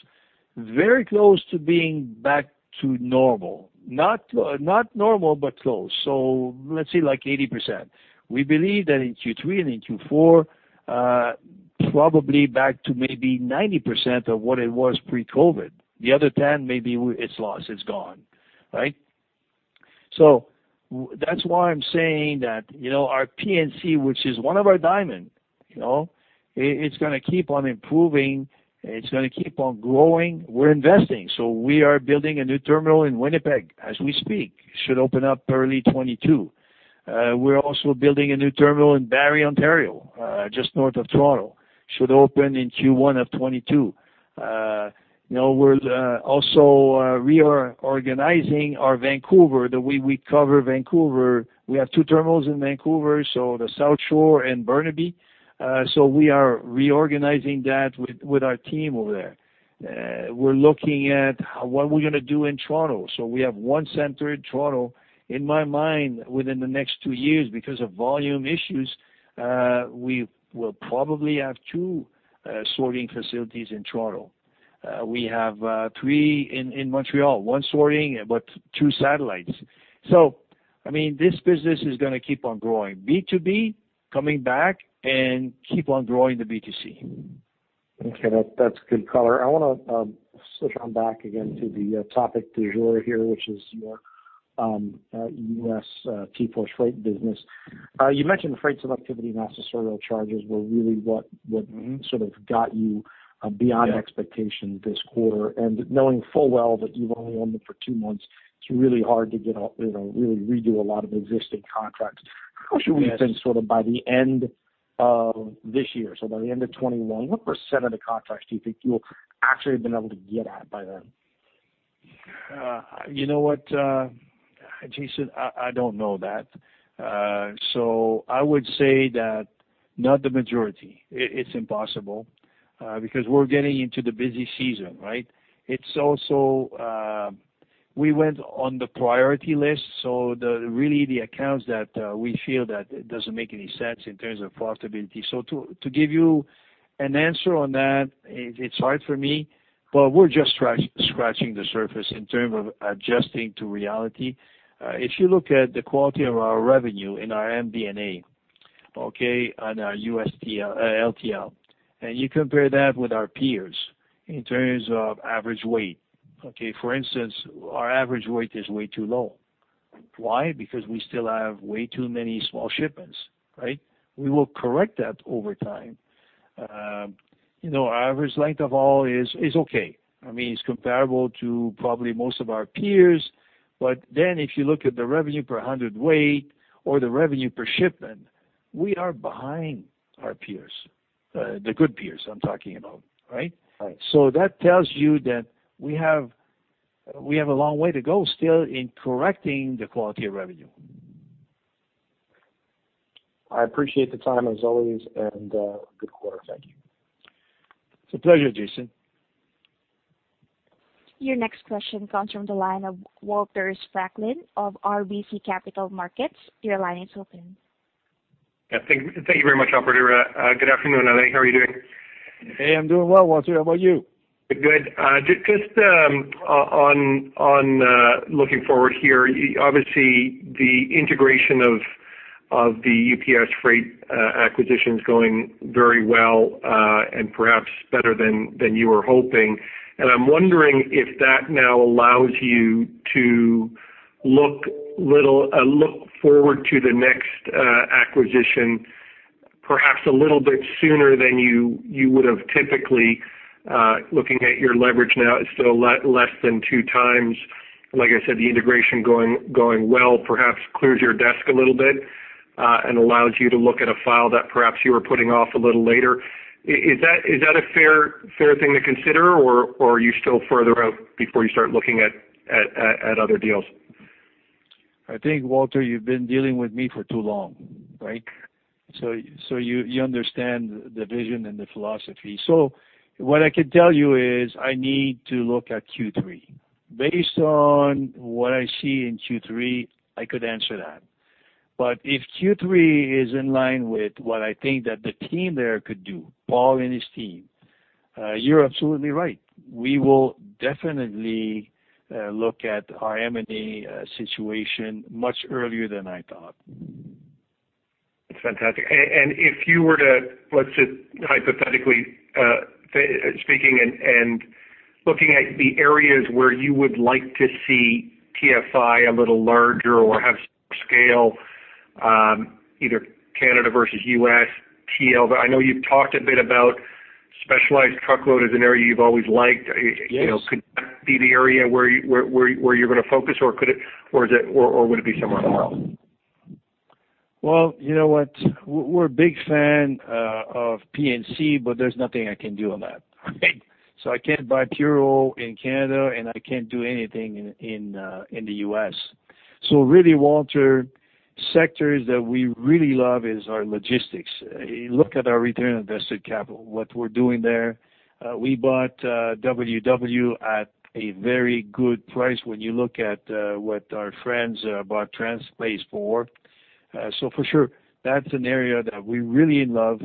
very close to being back to normal. Not, not normal, but close. Let's say like 80%. We believe that in Q3 and in Q4, probably back to maybe 90% of what it was pre-COVID. The other 10, maybe it's lost, it's gone, right? That's why I'm saying that, you know, our P&C, which is one of our diamond, you know, it's gonna keep on improving, it's gonna keep on growing. We're investing, so we are building a new terminal in Winnipeg as we speak. Should open up early 2022. We're also building a new terminal in Barrie, Ontario, just north of Toronto. Should open in Q1 of 2022. You know, we're also reorganizing our Vancouver. The way we cover Vancouver, we have two terminals in Vancouver, the South Shore and Burnaby. We are reorganizing that with our team over there. We're looking at what we're going to do in Toronto. We have one center in Toronto. In my mind, within the next two years, because of volume issues, we will probably have two sorting facilities in Toronto. We have three in Montreal, one sorting, but two satellites. I mean, this business is going to keep on growing, B2B coming back and keep on growing the B2C. Okay. That's good color. I wanna switch on back again to the topic du jour here, which is your U.S. TForce Freight business. You mentioned the freight selectivity and accessorial charges were really what. sort of got you, beyond Yeah expectation this quarter. Knowing full well that you've only owned it for two months, it's really hard to, you know, really redo a lot of existing contracts. Yes. How should we think sort of by the end of this year, so by the end of 2021, what % of the contracts do you think you'll actually have been able to get at by then? Jason, I do not know that. I would say that not the majority. It is impossible because we are getting into the busy season. It is also, we went on the priority list, really the accounts that we feel that it does not make any sense in terms of profitability. To give you an answer on that, it is hard for me, but we are just scratching the surface in terms of adjusting to reality. If you look at the quality of our revenue in our MD&A, on our U.S. LTL, and you compare that with our peers in terms of average weight. For instance, our average weight is way too low. Why? Because we still have way too many small shipments. We will correct that over time. You know, average length of haul is okay. I mean, it's comparable to probably most of our peers. If you look at the revenue per hundredweight or the revenue per shipment, we are behind our peers, the good peers I'm talking about, right? Right. That tells you that we have a long way to go still in correcting the quality of revenue. I appreciate the time as always, and, good quarter. Thank you. It's a pleasure, Jason. Your next question comes from the line of Walter Spracklin of RBC Capital Markets. Your line is open. Yeah. Thank you very much, operator. Good afternoon, Alain. How are you doing? Hey, I'm doing well, Walter. How about you? Good. Just on looking forward here, obviously the integration of the UPS Freight acquisition's going very well and perhaps better than you were hoping. I'm wondering if that now allows you to look forward to the next acquisition perhaps a little bit sooner than you would have typically, looking at your leverage now, it's still less than 2x. Like I said, the integration going well perhaps clears your desk a little bit and allows you to look at a file that perhaps you were putting off a little later. Is that, is that a fair thing to consider, or are you still further out before you start looking at other deals? I think, Walter, you've been dealing with me for too long, right? You understand the vision and the philosophy. What I can tell you is I need to look at Q3. Based on what I see in Q3, I could answer that. If Q3 is in line with what I think that the team there could do, Paul and his team, you're absolutely right. We will definitely look at our M&A situation much earlier than I thought. That's fantastic. If you were to, let's just hypothetically, speaking and looking at the areas where you would like to see TFI a little larger or have scale, either Canada versus U.S., TL. I know you've talked a bit about specialized truckload as an area you've always liked. You know. Yes Could that be the area where you're gonna focus, or could it, or is it, or would it be somewhere else? Well, you know what? We're a big fan of P&C, but there's nothing I can do on that, right? I can't buy Purolator in Canada, and I can't do anything in the U.S. Really, Walter, sectors that we really love is our logistics. Look at our return on invested capital, what we're doing there. We bought TWW at a very good price when you look at what our friends bought Transplace for. For sure, that's an area that we really love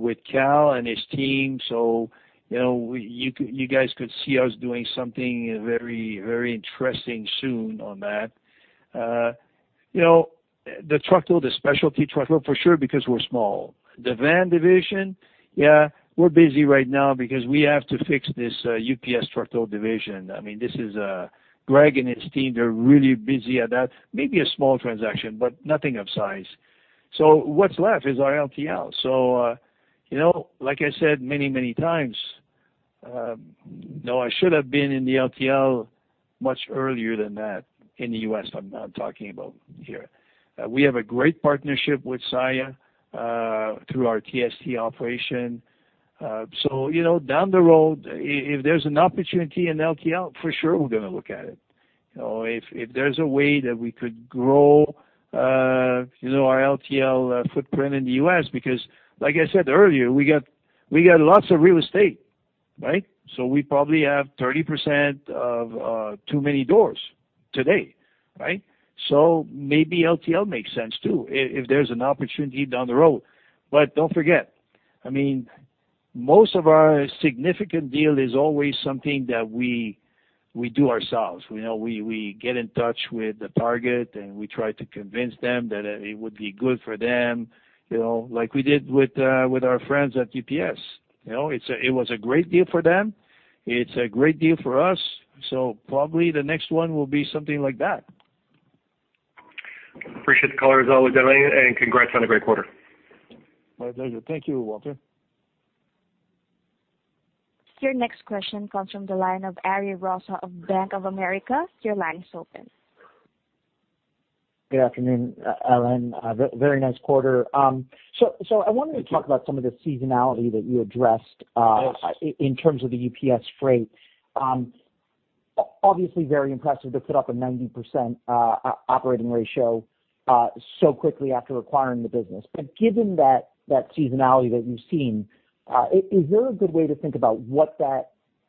with Cal and his team. You know, you guys could see us doing something very, very interesting soon on that. You know, the truckload, the specialty truckload for sure, because we're small. The van division, yeah, we're busy right now because we have to fix this UPS truckload division. I mean, this is Greg and his team, they're really busy at that. Maybe a small transaction, but nothing of size. What's left is our LTL. You know, like I said many, many times, you know, I should have been in the LTL much earlier than that in the U.S. I'm talking about here. We have a great partnership with Saia through our TST operation. You know, down the road, if there's an opportunity in LTL, for sure we're gonna look at it. You know, if there's a way that we could grow, you know, our LTL footprint in the U.S., because like I said earlier, we got lots of real estate, right? We probably have 30% of too many doors today, right? Maybe LTL makes sense too, if there's an opportunity down the road. Don't forget, I mean, most of our significant deal is always something that we do ourselves. You know, we get in touch with the target, and we try to convince them that it would be good for them, you know, like we did with our friends at UPS. You know, it was a great deal for them, it's a great deal for us, so probably the next one will be something like that. Appreciate the color as always, Alain, and congrats on a great quarter. My pleasure. Thank you, Walter. Your next question comes from the line of Ariel Rosa of Bank of America. Your line is open. Good afternoon, Alain. Very nice quarter. I wanted to talk about some of the seasonality that you addressed. Yes In terms of the UPS Freight, obviously very impressive to put up a 90% operating ratio so quickly after acquiring the business. Given that seasonality that you've seen, is there a good way to think about what that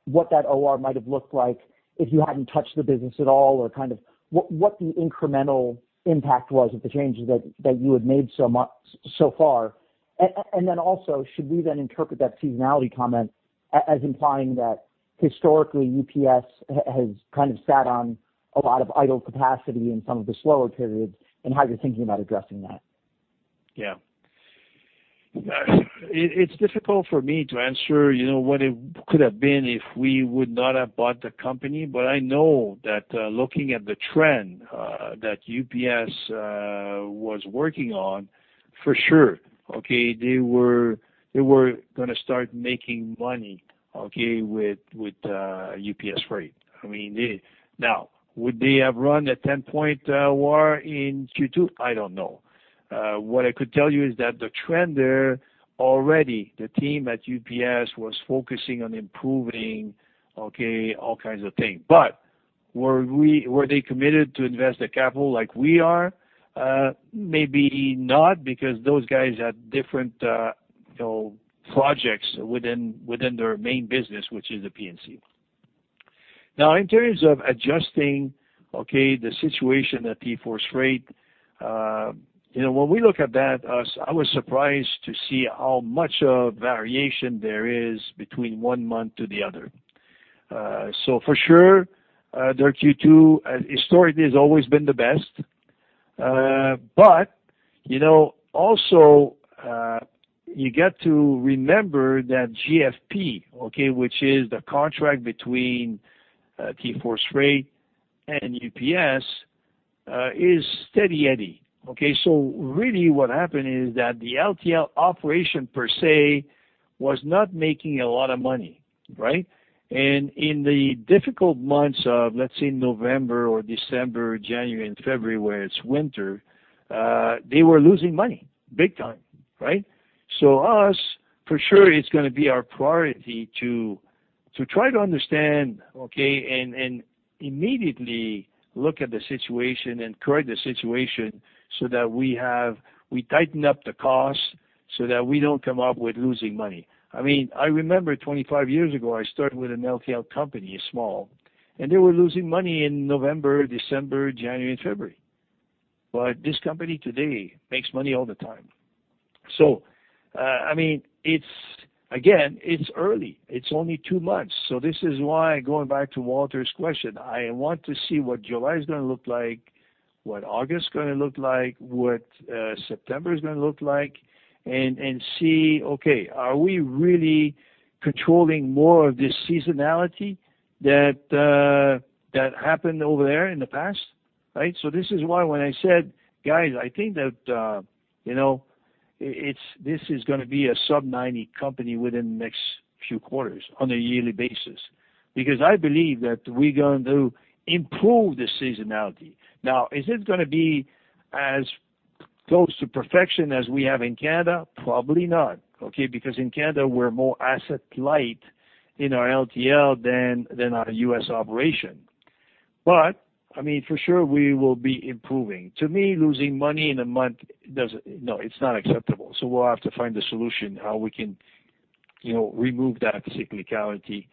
OR might have looked like if you hadn't touched the business at all? Or kind of what the incremental impact was of the changes that you had made so far. Also, should we then interpret that seasonality comment as implying that historically UPS has kind of sat on a lot of idle capacity in some of the slower periods, and how you're thinking about addressing that? Yeah. It's difficult for me to answer, you know, what it could have been if we would not have bought the company. I know that, looking at the trend, that UPS was working on, for sure, okay, they were gonna start making money, okay, with UPS Freight. I mean, Now, would they have run a 10-point OR in Q2? I don't know. What I could tell you is that the trend there already, the team at UPS was focusing on improving, okay, all kinds of things. Were they committed to invest the capital like we are? Maybe not, because those guys had different, you know, projects within their main business, which is the P&C. In terms of adjusting, okay, the situation at TForce Freight, you know, when we look at that, as I was surprised to see how much of variation there is between one month to the other. For sure, their Q2 historically has always been the best. You know, also, you get to remember that GFP, okay, which is the contract between TForce Freight and UPS, is steady eddy. Okay. Really what happened is that the LTL operation per se was not making a lot of money, right. In the difficult months of, let's say, November or December, January and February, where it's winter, they were losing money big time, right. Us, for sure it's gonna be our priority to try to understand, and immediately look at the situation and correct the situation so that we tighten up the costs so that we don't come up with losing money. I remember 25 years ago, I started with an LTL company, small, and they were losing money in November, December, January and February. This company today makes money all the time. It's, again, it's early. It's only two months. This is why, going back to Walter's question, I want to see what July is gonna look like, what August is gonna look like, what September is gonna look like, and see, are we really controlling more of this seasonality that happened over there in the past. This is why when I said, "Guys, I think that, you know, this is gonna be a sub 90 company within the next few quarters on a yearly basis." Because I believe that we're going to improve the seasonality. Now, is it gonna be as close to perfection as we have in Canada? Probably not, okay? Because in Canada, we're more asset light in our LTL than our U.S. operation. I mean, for sure we will be improving. To me, losing money in a month, it's not acceptable, so we'll have to find a solution how we can, you know, remove that cyclicality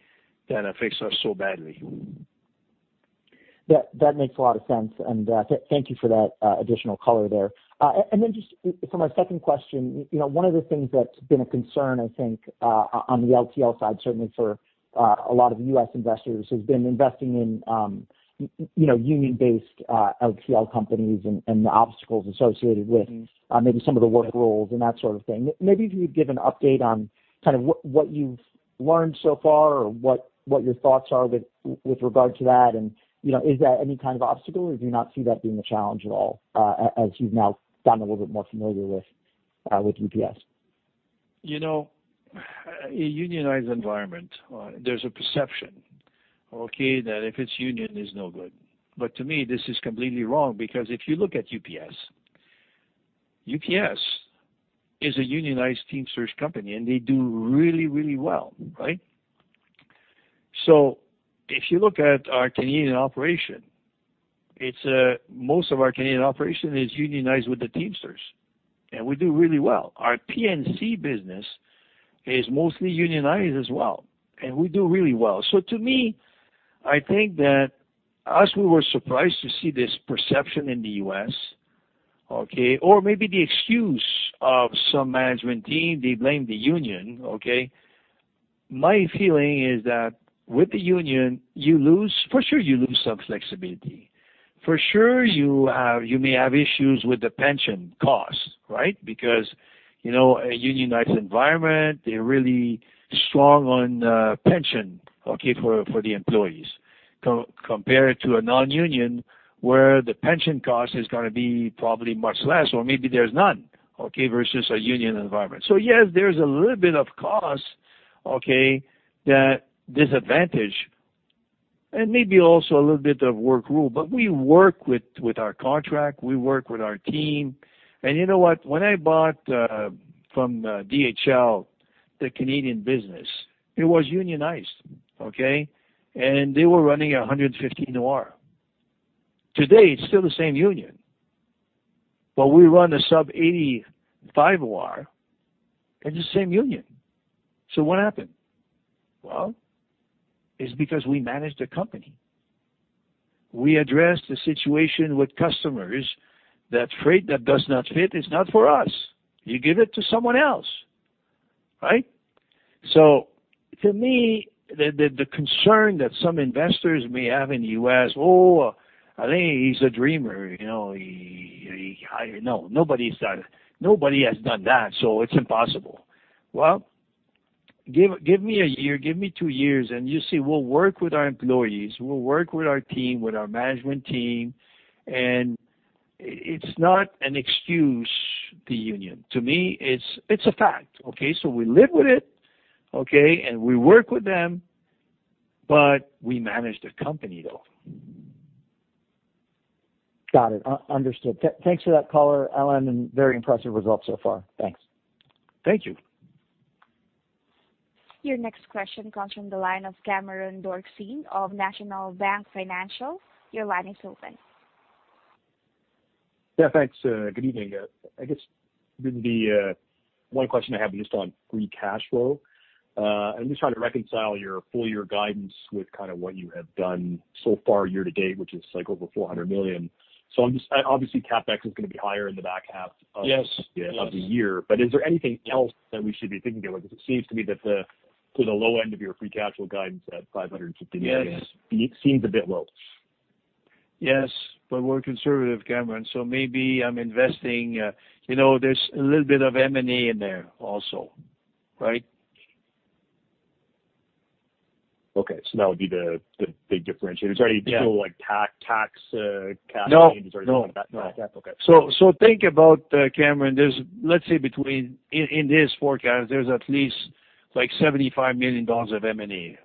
that affects us so badly. That makes a lot of sense, and thank you for that additional color there. Then just for my second question, you know, one of the things that's been a concern, I think, on the LTL side, certainly for a lot of U.S. investors who's been investing in, you know, union-based LTL companies and the obstacles associated with- Maybe some of the work rules and that sort of thing. Maybe if you could give an update on kind of what you've learned so far or what your thoughts are with regard to that. You know, is that any kind of obstacle or do you not see that being a challenge at all, as you've now gotten a little bit more familiar with UPS? You know, a unionized environment, there's a perception, okay, that if it's union is no good. To me, this is completely wrong because if you look at UPS is a unionized Teamsters company, and they do really, really well, right? If you look at our Canadian operation, it's most of our Canadian operation is unionized with the Teamsters, and we do really well. Our P&C business is mostly unionized as well, and we do really well. To me, I think that as we were surprised to see this perception in the U.S., okay, or maybe the excuse of some management team, they blame the union, okay. My feeling is that with the union, you lose for sure, you lose some flexibility. For sure, you may have issues with the pension costs, right? Because, you know, a unionized environment, they're really strong on pension, okay, for the employees compared to a non-union where the pension cost is gonna be probably much less or maybe there's none, okay, versus a union environment. Yes, there's a little bit of cost, okay, that disadvantage and maybe also a little bit of work rule. We work with our contract, we work with our team. You know what? When I bought from DHL, the Canadian business, it was unionized, okay? They were running 150 OR. Today, it's still the same union, but we run a sub 85 OR and the same union. What happened? It's because we managed the company. We addressed the situation with customers. That freight that does not fit is not for us. You give it to someone else, right? To me, the concern that some investors may have is, "Oh, I think he's a dreamer. You know, he No, nobody has done that, so it's impossible." Well, give me a year, give me two years, and you'll see we'll work with our employees. We'll work with our team, with our management team. It's not an excuse, the union. To me, it's a fact, okay? We live with it, okay? And we work with them, but we manage the company, though. Got it. Understood. Thanks for that color, Alain, and very impressive results so far. Thanks. Thank you. Your next question comes from the line of Cameron Doerksen of National Bank Financial. Your line is open. Yeah, thanks. Good evening. I guess maybe one question I have just on free cash flow. I'm just trying to reconcile your full year guidance with kinda what you have done so far year-to-date, which is like over $400 million. obviously, CapEx is gonna be higher in the back half of- Yes. Yes. -of the year. Is there anything else that we should be thinking about? 'Cause it seems to me that to the low end of your free cash flow guidance at $550 million. Yes. seems a bit low. Yes. We're conservative, Cameron, so maybe I'm investing, You know, there's a little bit of M&A in there also, right? Okay. That would be the big differentiator. Yeah. Is there any additional like tax? No. No. No. Okay. Think about, Cameron, there's let's say in this forecast, there's at least like $75 million of M&A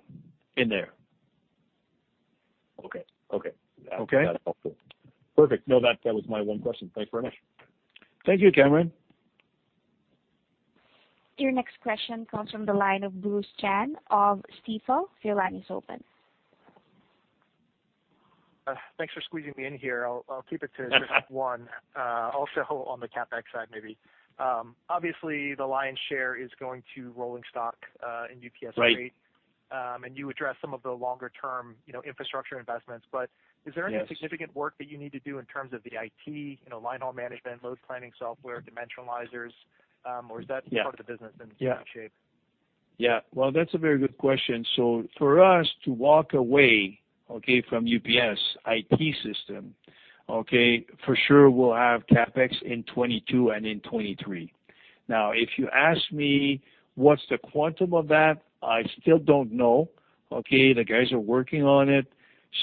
in there. Okay. Okay. Okay? That's helpful. Perfect. No, that was my one question. Thanks very much. Thank you, Cameron. Your next question comes from the line of Bruce Chan of Stifel. Your line is open. Thanks for squeezing me in here. I'll keep it to just one. Also on the CapEx side, maybe. Obviously, the lion's share is going to rolling stock, in TForce Freight. Right. You addressed some of the longer term, you know, infrastructure investments. Yes. Is there any significant work that you need to do in terms of the IT, you know, line haul management, load planning software, dimensionalizers? Yeah. part of the business in good shape? Well, that's a very good question. For us to walk away from UPS IT system, for sure we'll have CapEx in 2022 and in 2023. If you ask me what's the quantum of that, I still don't know. The guys are working on it.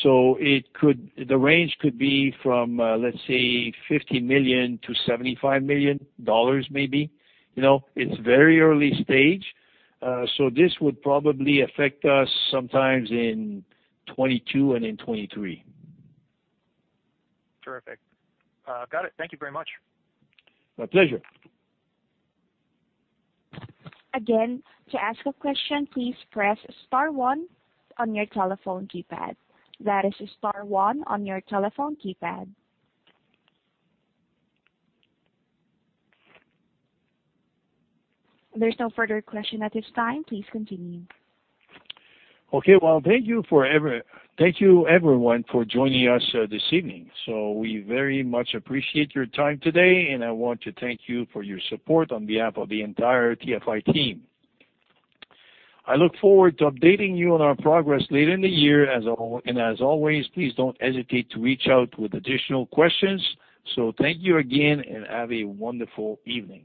The range could be from, let's say, $50 million-$75 million maybe. You know, it's very early stage. This would probably affect us sometimes in 2022 and in 2023. Terrific. Got it. Thank you very much. My pleasure. Again, to ask a question, please press star one on your telephone keypad. That is star one on your telephone keypad. There is no further question at this time. Please continue. Okay. Well, thank you, everyone, for joining us this evening. We very much appreciate your time today, and I want to thank you for your support on behalf of the entire TFI team. I look forward to updating you on our progress later in the year and as always, please don't hesitate to reach out with additional questions. Thank you again, and have a wonderful evening.